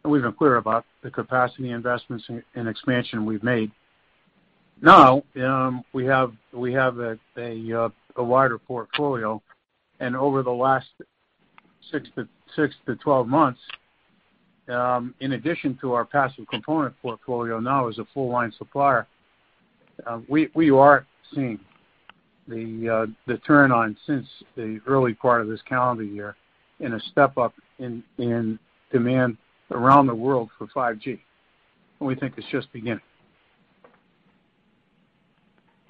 Speaker 3: We've been clear about the capacity investments and expansion we've made. Now, we have a wider portfolio. Over the last 6-12 months, in addition to our passive component portfolio now as a full-line supplier, we are seeing the turn on since the early part of this calendar year and a step up in demand around the world for 5G. We think it's just beginning.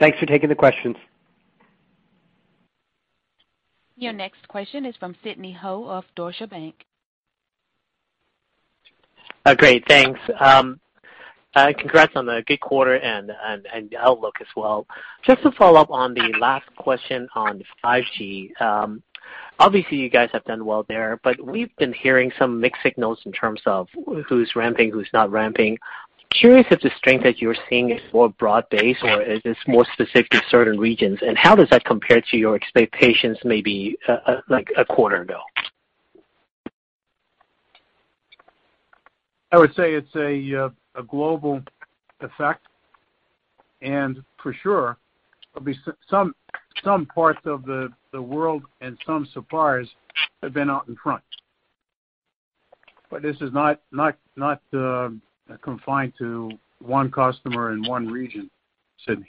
Speaker 13: Thanks for taking the questions.
Speaker 1: Your next question is from Sidney Ho of Deutsche Bank.
Speaker 14: Great. Thanks. Congrats on the good quarter and outlook as well. Just to follow up on the last question on 5G, obviously, you guys have done well there, but we've been hearing some mixed signals in terms of who's ramping, who's not ramping. Curious if the strength that you're seeing is more broad-based or is this more specific to certain regions. How does that compare to your expectations maybe a quarter ago?
Speaker 3: I would say it's a global effect. For sure, some parts of the world and some suppliers have been out in front. This is not confined to one customer in one region, Sydney.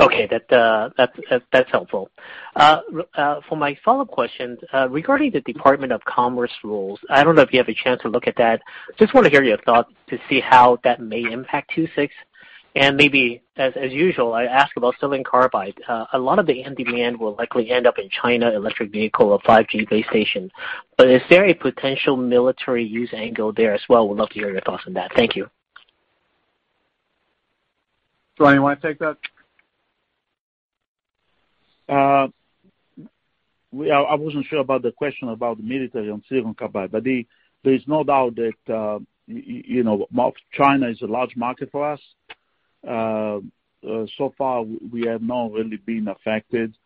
Speaker 14: Okay. That's helpful. For my follow-up question, regarding the Department of Commerce rules, I don't know if you have a chance to look at that. Just want to hear your thoughts to see how that may impact Q6. Maybe, as usual, I ask about silicon carbide. A lot of the end demand will likely end up in China, electric vehicle, or 5G base station. Is there a potential military use angle there as well? We'd love to hear your thoughts on that. Thank you.
Speaker 3: Giovanni, you want to take that?
Speaker 4: I wasn't sure about the question about the military on silicon carbide, but there is no doubt that China is a large market for us. So far, we have not really been affected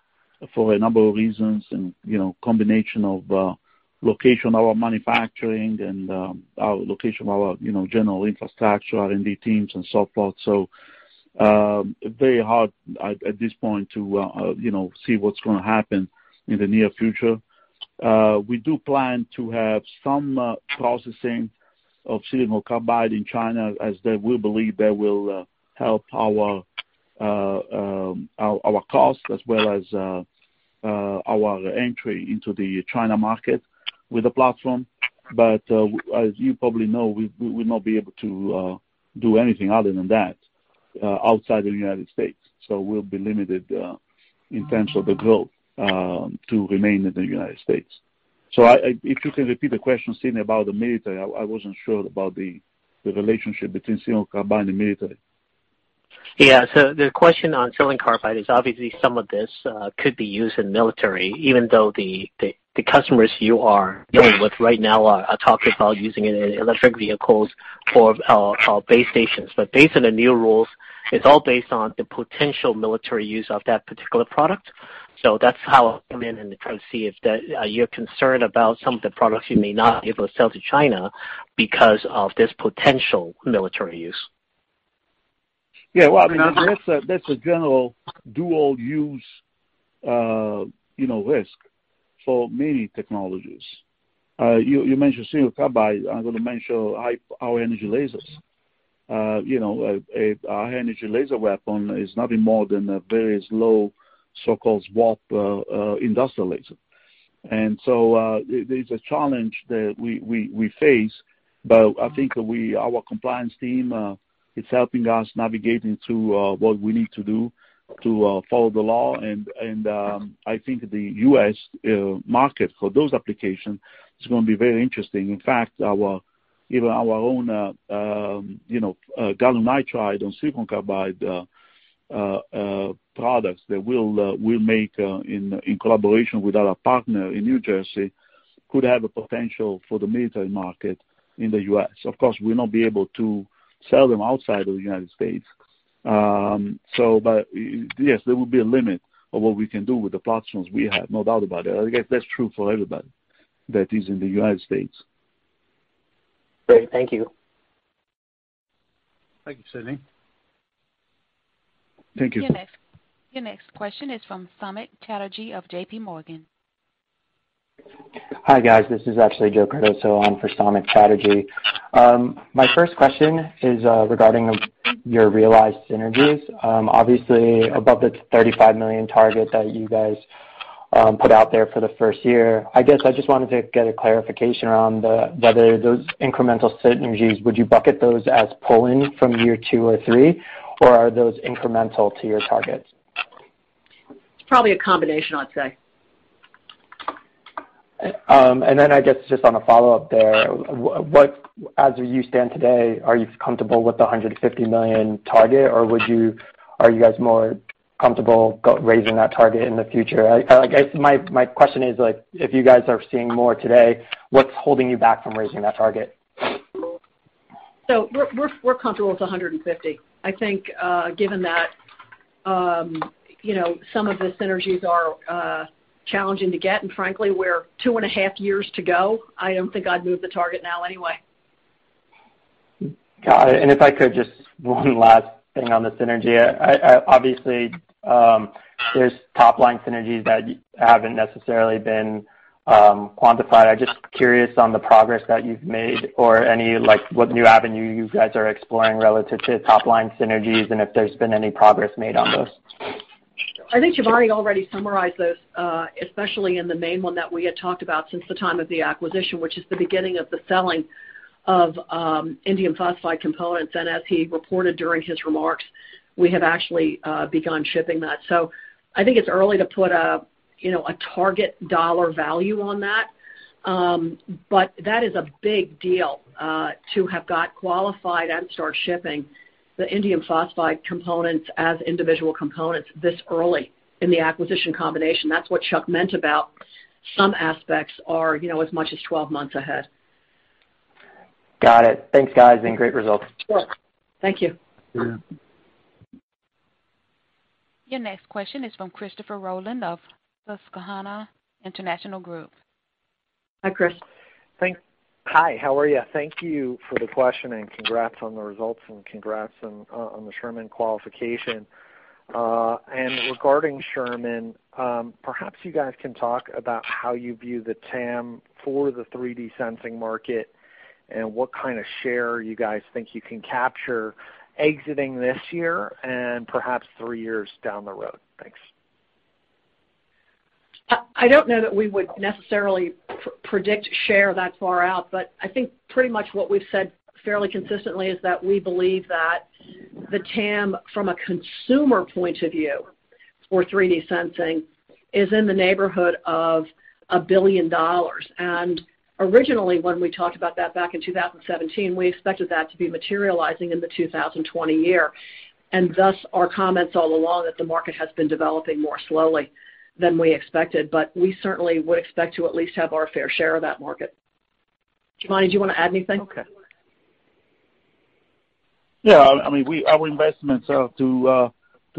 Speaker 4: for a number of reasons and combination of location of our manufacturing and our location of our general infrastructure, R&D teams, and so forth. It is very hard at this point to see what's going to happen in the near future. We do plan to have some processing of silicon carbide in China as we believe that will help our costs as well as our entry into the China market with the platform. As you probably know, we will not be able to do anything other than that outside the United States. We will be limited in terms of the growth to remain in the United States. If you can repeat the question, Sydney, about the military, I was not sure about the relationship between silicon carbide and military.
Speaker 14: Yeah. The question on silicon carbide is obviously some of this could be used in military, even though the customers you are dealing with right now are talking about using it in electric vehicles or base stations. Based on the new rules, it's all based on the potential military use of that particular product. That's how I'll come in and try to see if you're concerned about some of the products you may not be able to sell to China because of this potential military use.
Speaker 4: Yeah. I mean, that's a general dual-use risk for many technologies. You mentioned silicon carbide. I'm going to mention our energy lasers. Our energy laser weapon is nothing more than a very slow so-called SWaP industrial laser. There is a challenge that we face. I think our compliance team is helping us navigate into what we need to do to follow the law. I think the U.S. market for those applications is going to be very interesting. In fact, even our own gallium nitride on silicon carbide products that we'll make in collaboration with our partner in New Jersey could have a potential for the military market in the U.S. Of course, we'll not be able to sell them outside of the United States. Yes, there will be a limit of what we can do with the platforms we have. No doubt about it.
Speaker 3: I guess that's true for everybody that is in the United States.
Speaker 2: Great. Thank you.
Speaker 3: Thank you, Sydney. Thank you.
Speaker 1: Your next question is from Samik Chatterjee of JPMorgan.
Speaker 15: Hi, guys. This is I'd say Joe Cardoso on for Samik Chatterjee. My first question is regarding your realized synergies. Obviously, above the $35 million target that you guys put out there for the first year, I guess I just wanted to get a clarification around whether those incremental synergies, would you bucket those as pulling from year two or three, or are those incremental to your targets?
Speaker 2: It's probably a combination, I'd say.
Speaker 15: I guess just on a follow-up there, as you stand today, are you comfortable with the $150 million target, or are you guys more comfortable raising that target in the future? I guess my question is, if you guys are seeing more today, what's holding you back from raising that target?
Speaker 2: We're comfortable with $150 million. I think given that some of the synergies are challenging to get, and frankly, we're two and a half years to go, I do not think I'd move the target now anyway.
Speaker 15: Got it. If I could, just one last thing on the synergy. Obviously, there are top-line synergies that have not necessarily been quantified. I am just curious on the progress that you have made or what new avenue you guys are exploring relative to top-line synergies and if there has been any progress made on those.
Speaker 2: I think Giovanni already summarized those, especially in the main one that we had talked about since the time of the acquisition, which is the beginning of the selling of indium phosphide components. As he reported during his remarks, we have actually begun shipping that. I think it's early to put a target dollar value on that. That is a big deal to have got qualified and start shipping the indium phosphide components as individual components this early in the acquisition combination. That is what Chuck meant about some aspects are as much as 12 months ahead.
Speaker 15: Got it. Thanks, guys. Great results.
Speaker 2: Sure. Thank you.
Speaker 1: Your next question is from Christopher Rolland of Susquehanna International Group.
Speaker 16: Hi, Chris.
Speaker 3: Hi. How are you?
Speaker 16: Thank you for the question and congrats on the results and congrats on the Sherman qualification. Regarding Sherman, perhaps you guys can talk about how you view the TAM for the 3D sensing market and what kind of share you guys think you can capture exiting this year and perhaps three years down the road. Thanks.
Speaker 2: I don't know that we would necessarily predict share that far out, but I think pretty much what we've said fairly consistently is that we believe that the TAM from a consumer point of view for 3D sensing is in the neighborhood of $1 billion. Originally, when we talked about that back in 2017, we expected that to be materializing in the 2020 year. Thus, our comments all along that the market has been developing more slowly than we expected. We certainly would expect to at least have our fair share of that market. Giovanni, do you want to add anything?
Speaker 4: Yeah. I mean, our investments are to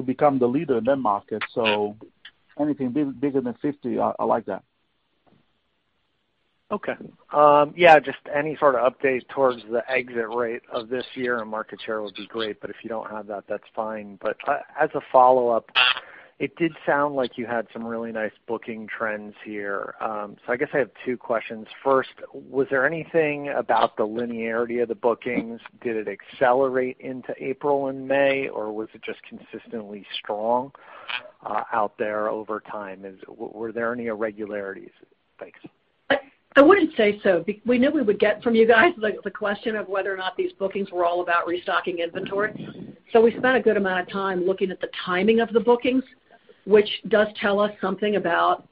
Speaker 4: become the leader in that market. So anything bigger than 50, I like that.
Speaker 16: Okay. Yeah. Just any sort of update towards the exit rate of this year and market share would be great. If you do not have that, that is fine. As a follow-up, it did sound like you had some really nice booking trends here. I guess I have two questions. First, was there anything about the linearity of the bookings? Did it accelerate into April and May, or was it just consistently strong out there over time? Were there any irregularities? Thanks.
Speaker 2: I wouldn't say so. We knew we would get from you guys the question of whether or not these bookings were all about restocking inventory. We spent a good amount of time looking at the timing of the bookings, which does tell us something about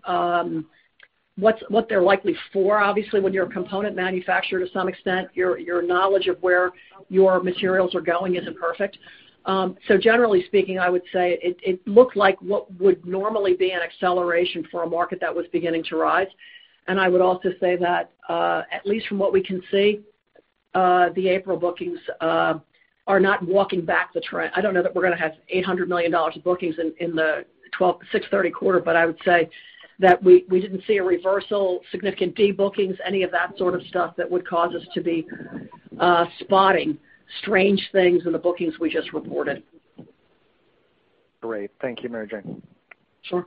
Speaker 2: what they're likely for. Obviously, when you're a component manufacturer to some extent, your knowledge of where your materials are going isn't perfect. Generally speaking, I would say it looked like what would normally be an acceleration for a market that was beginning to rise. I would also say that, at least from what we can see, the April bookings are not walking back the trend. I don't know that we're going to have $800 million in bookings in the 6/30 quarter, but I would say that we didn't see a reversal, significant debookings, any of that sort of stuff that would cause us to be spotting strange things in the bookings we just reported.
Speaker 16: Great. Thank you, Mary Jane.
Speaker 2: Sure.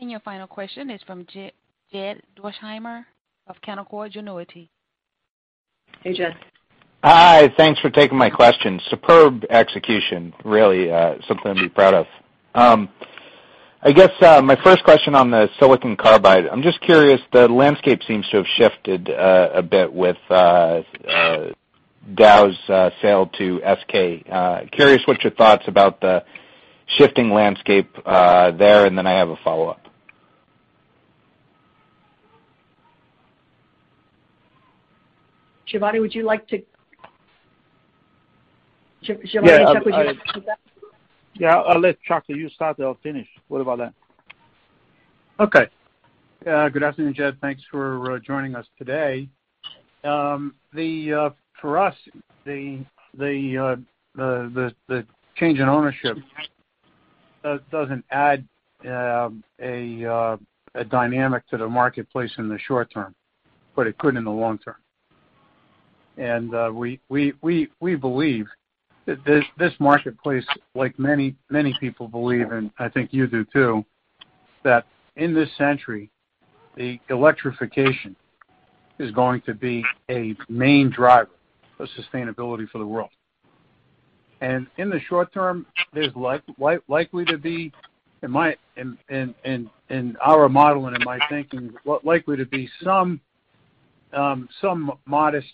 Speaker 1: Your final question is from Jed Dorsheimer of Canaccord Genuity.
Speaker 2: Hey, Jed.
Speaker 17: Hi. Thanks for taking my question. Superb execution, really. Something to be proud of. I guess my first question on the silicon carbide, I'm just curious, the landscape seems to have shifted a bit with Dow's sale to SK. Curious what your thoughts about the shifting landscape there. I have a follow-up.
Speaker 2: Giovanni, would you like to—Giovanni, Chuck, would you like to take that?
Speaker 4: Yeah. I'll let Chuck start or finish. What about that?
Speaker 3: Okay. Good afternoon, Jed. Thanks for joining us today. For us, the change in ownership does not add a dynamic to the marketplace in the short term, but it could in the long term. We believe that this marketplace, like many people believe, and I think you do too, that in this century, the electrification is going to be a main driver of sustainability for the world. In the short term, there is likely to be, in our model and in my thinking, likely to be some modest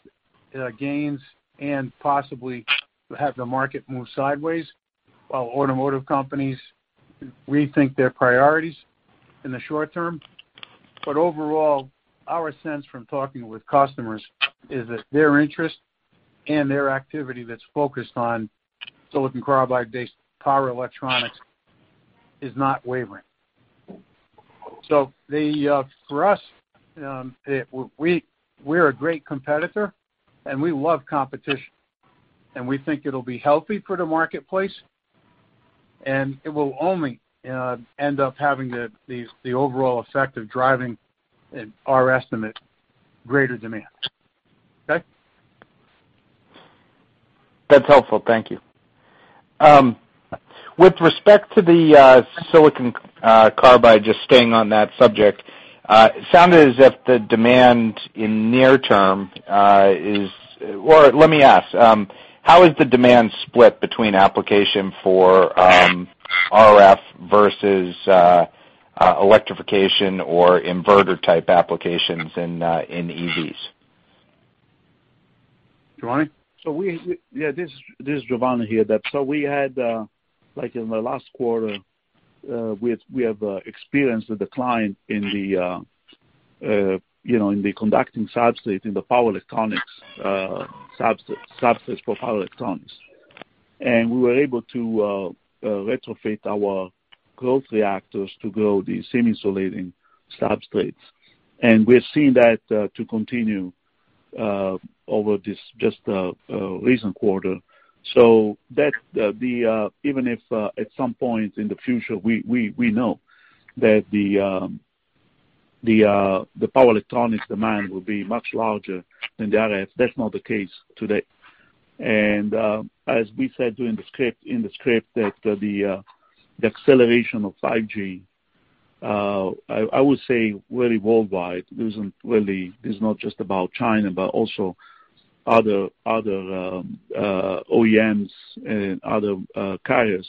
Speaker 3: gains and possibly have the market move sideways while automotive companies rethink their priorities in the short term. Overall, our sense from talking with customers is that their interest and their activity that is focused on silicon carbide-based power electronics is not wavering. For us, we are a great competitor, and we love competition. We think it'll be healthy for the marketplace, and it will only end up having the overall effect of driving, in our estimate, greater demand. Okay?
Speaker 17: That's helpful. Thank you. With respect to the silicon carbide, just staying on that subject, it sounded as if the demand in near term is—or let me ask, how is the demand split between application for RF versus electrification or inverter-type applications in EVs?
Speaker 3: Giovanni?
Speaker 4: Yeah. This is Giovanni here. In the last quarter, we have experienced a decline in the conducting substrate in the power electronics, substrate for power electronics. We were able to retrofit our growth reactors to grow the semi-insulating substrates. We have seen that continue over just the recent quarter. Even if at some point in the future, we know that the power electronics demand will be much larger than the RF, that's not the case today. As we said in the script, the acceleration of 5G, I would say really worldwide, it's not just about China, but also other OEMs and other carriers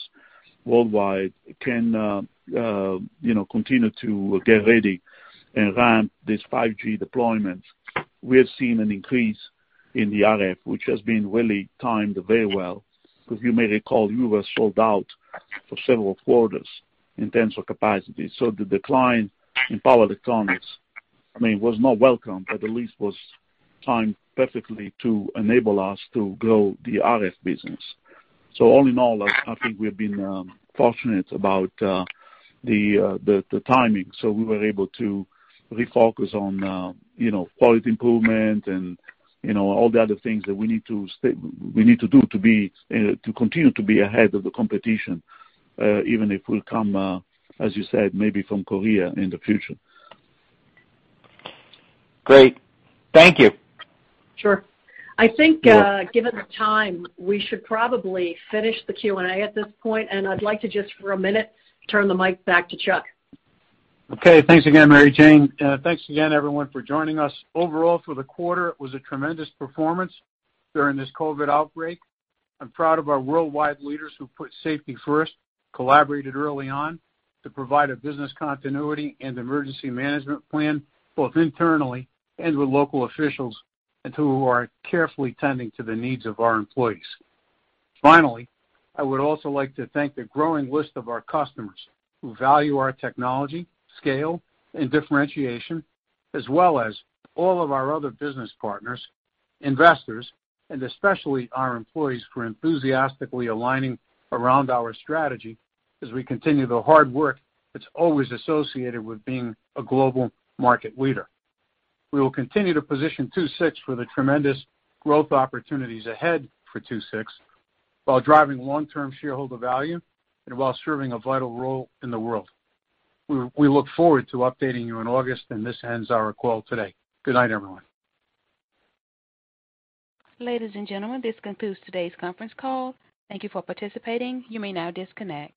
Speaker 4: worldwide can continue to get ready and ramp this 5G deployment. We have seen an increase in the RF, which has been really timed very well. As you may recall, we were sold out for several quarters in terms of capacity. The decline in power electronics, I mean, was not welcome, but at least was timed perfectly to enable us to grow the RF business. All in all, I think we have been fortunate about the timing. We were able to refocus on quality improvement and all the other things that we need to do to continue to be ahead of the competition, even if we come, as you said, maybe from Korea in the future.
Speaker 17: Great. Thank you.
Speaker 2: Sure. I think given the time, we should probably finish the Q&A at this point. I would like to just, for a minute, turn the mic back to Chuck.
Speaker 3: Okay. Thanks again, Mary Jane. Thanks again, everyone, for joining us. Overall, for the quarter, it was a tremendous performance during this COVID outbreak. I'm proud of our worldwide leaders who put safety first, collaborated early on to provide a business continuity and emergency management plan both internally and with local officials and who are carefully tending to the needs of our employees. Finally, I would also like to thank the growing list of our customers who value our technology, scale, and differentiation, as well as all of our other business partners, investors, and especially our employees for enthusiastically aligning around our strategy as we continue the hard work that's always associated with being a global market leader. We will continue to position II-VI for the tremendous growth opportunities ahead for II-VI while driving long-term shareholder value and while serving a vital role in the world. We look forward to updating you in August, and this ends our call today. Good night, everyone.
Speaker 1: Ladies and gentlemen, this concludes today's conference call. Thank you for participating. You may now disconnect.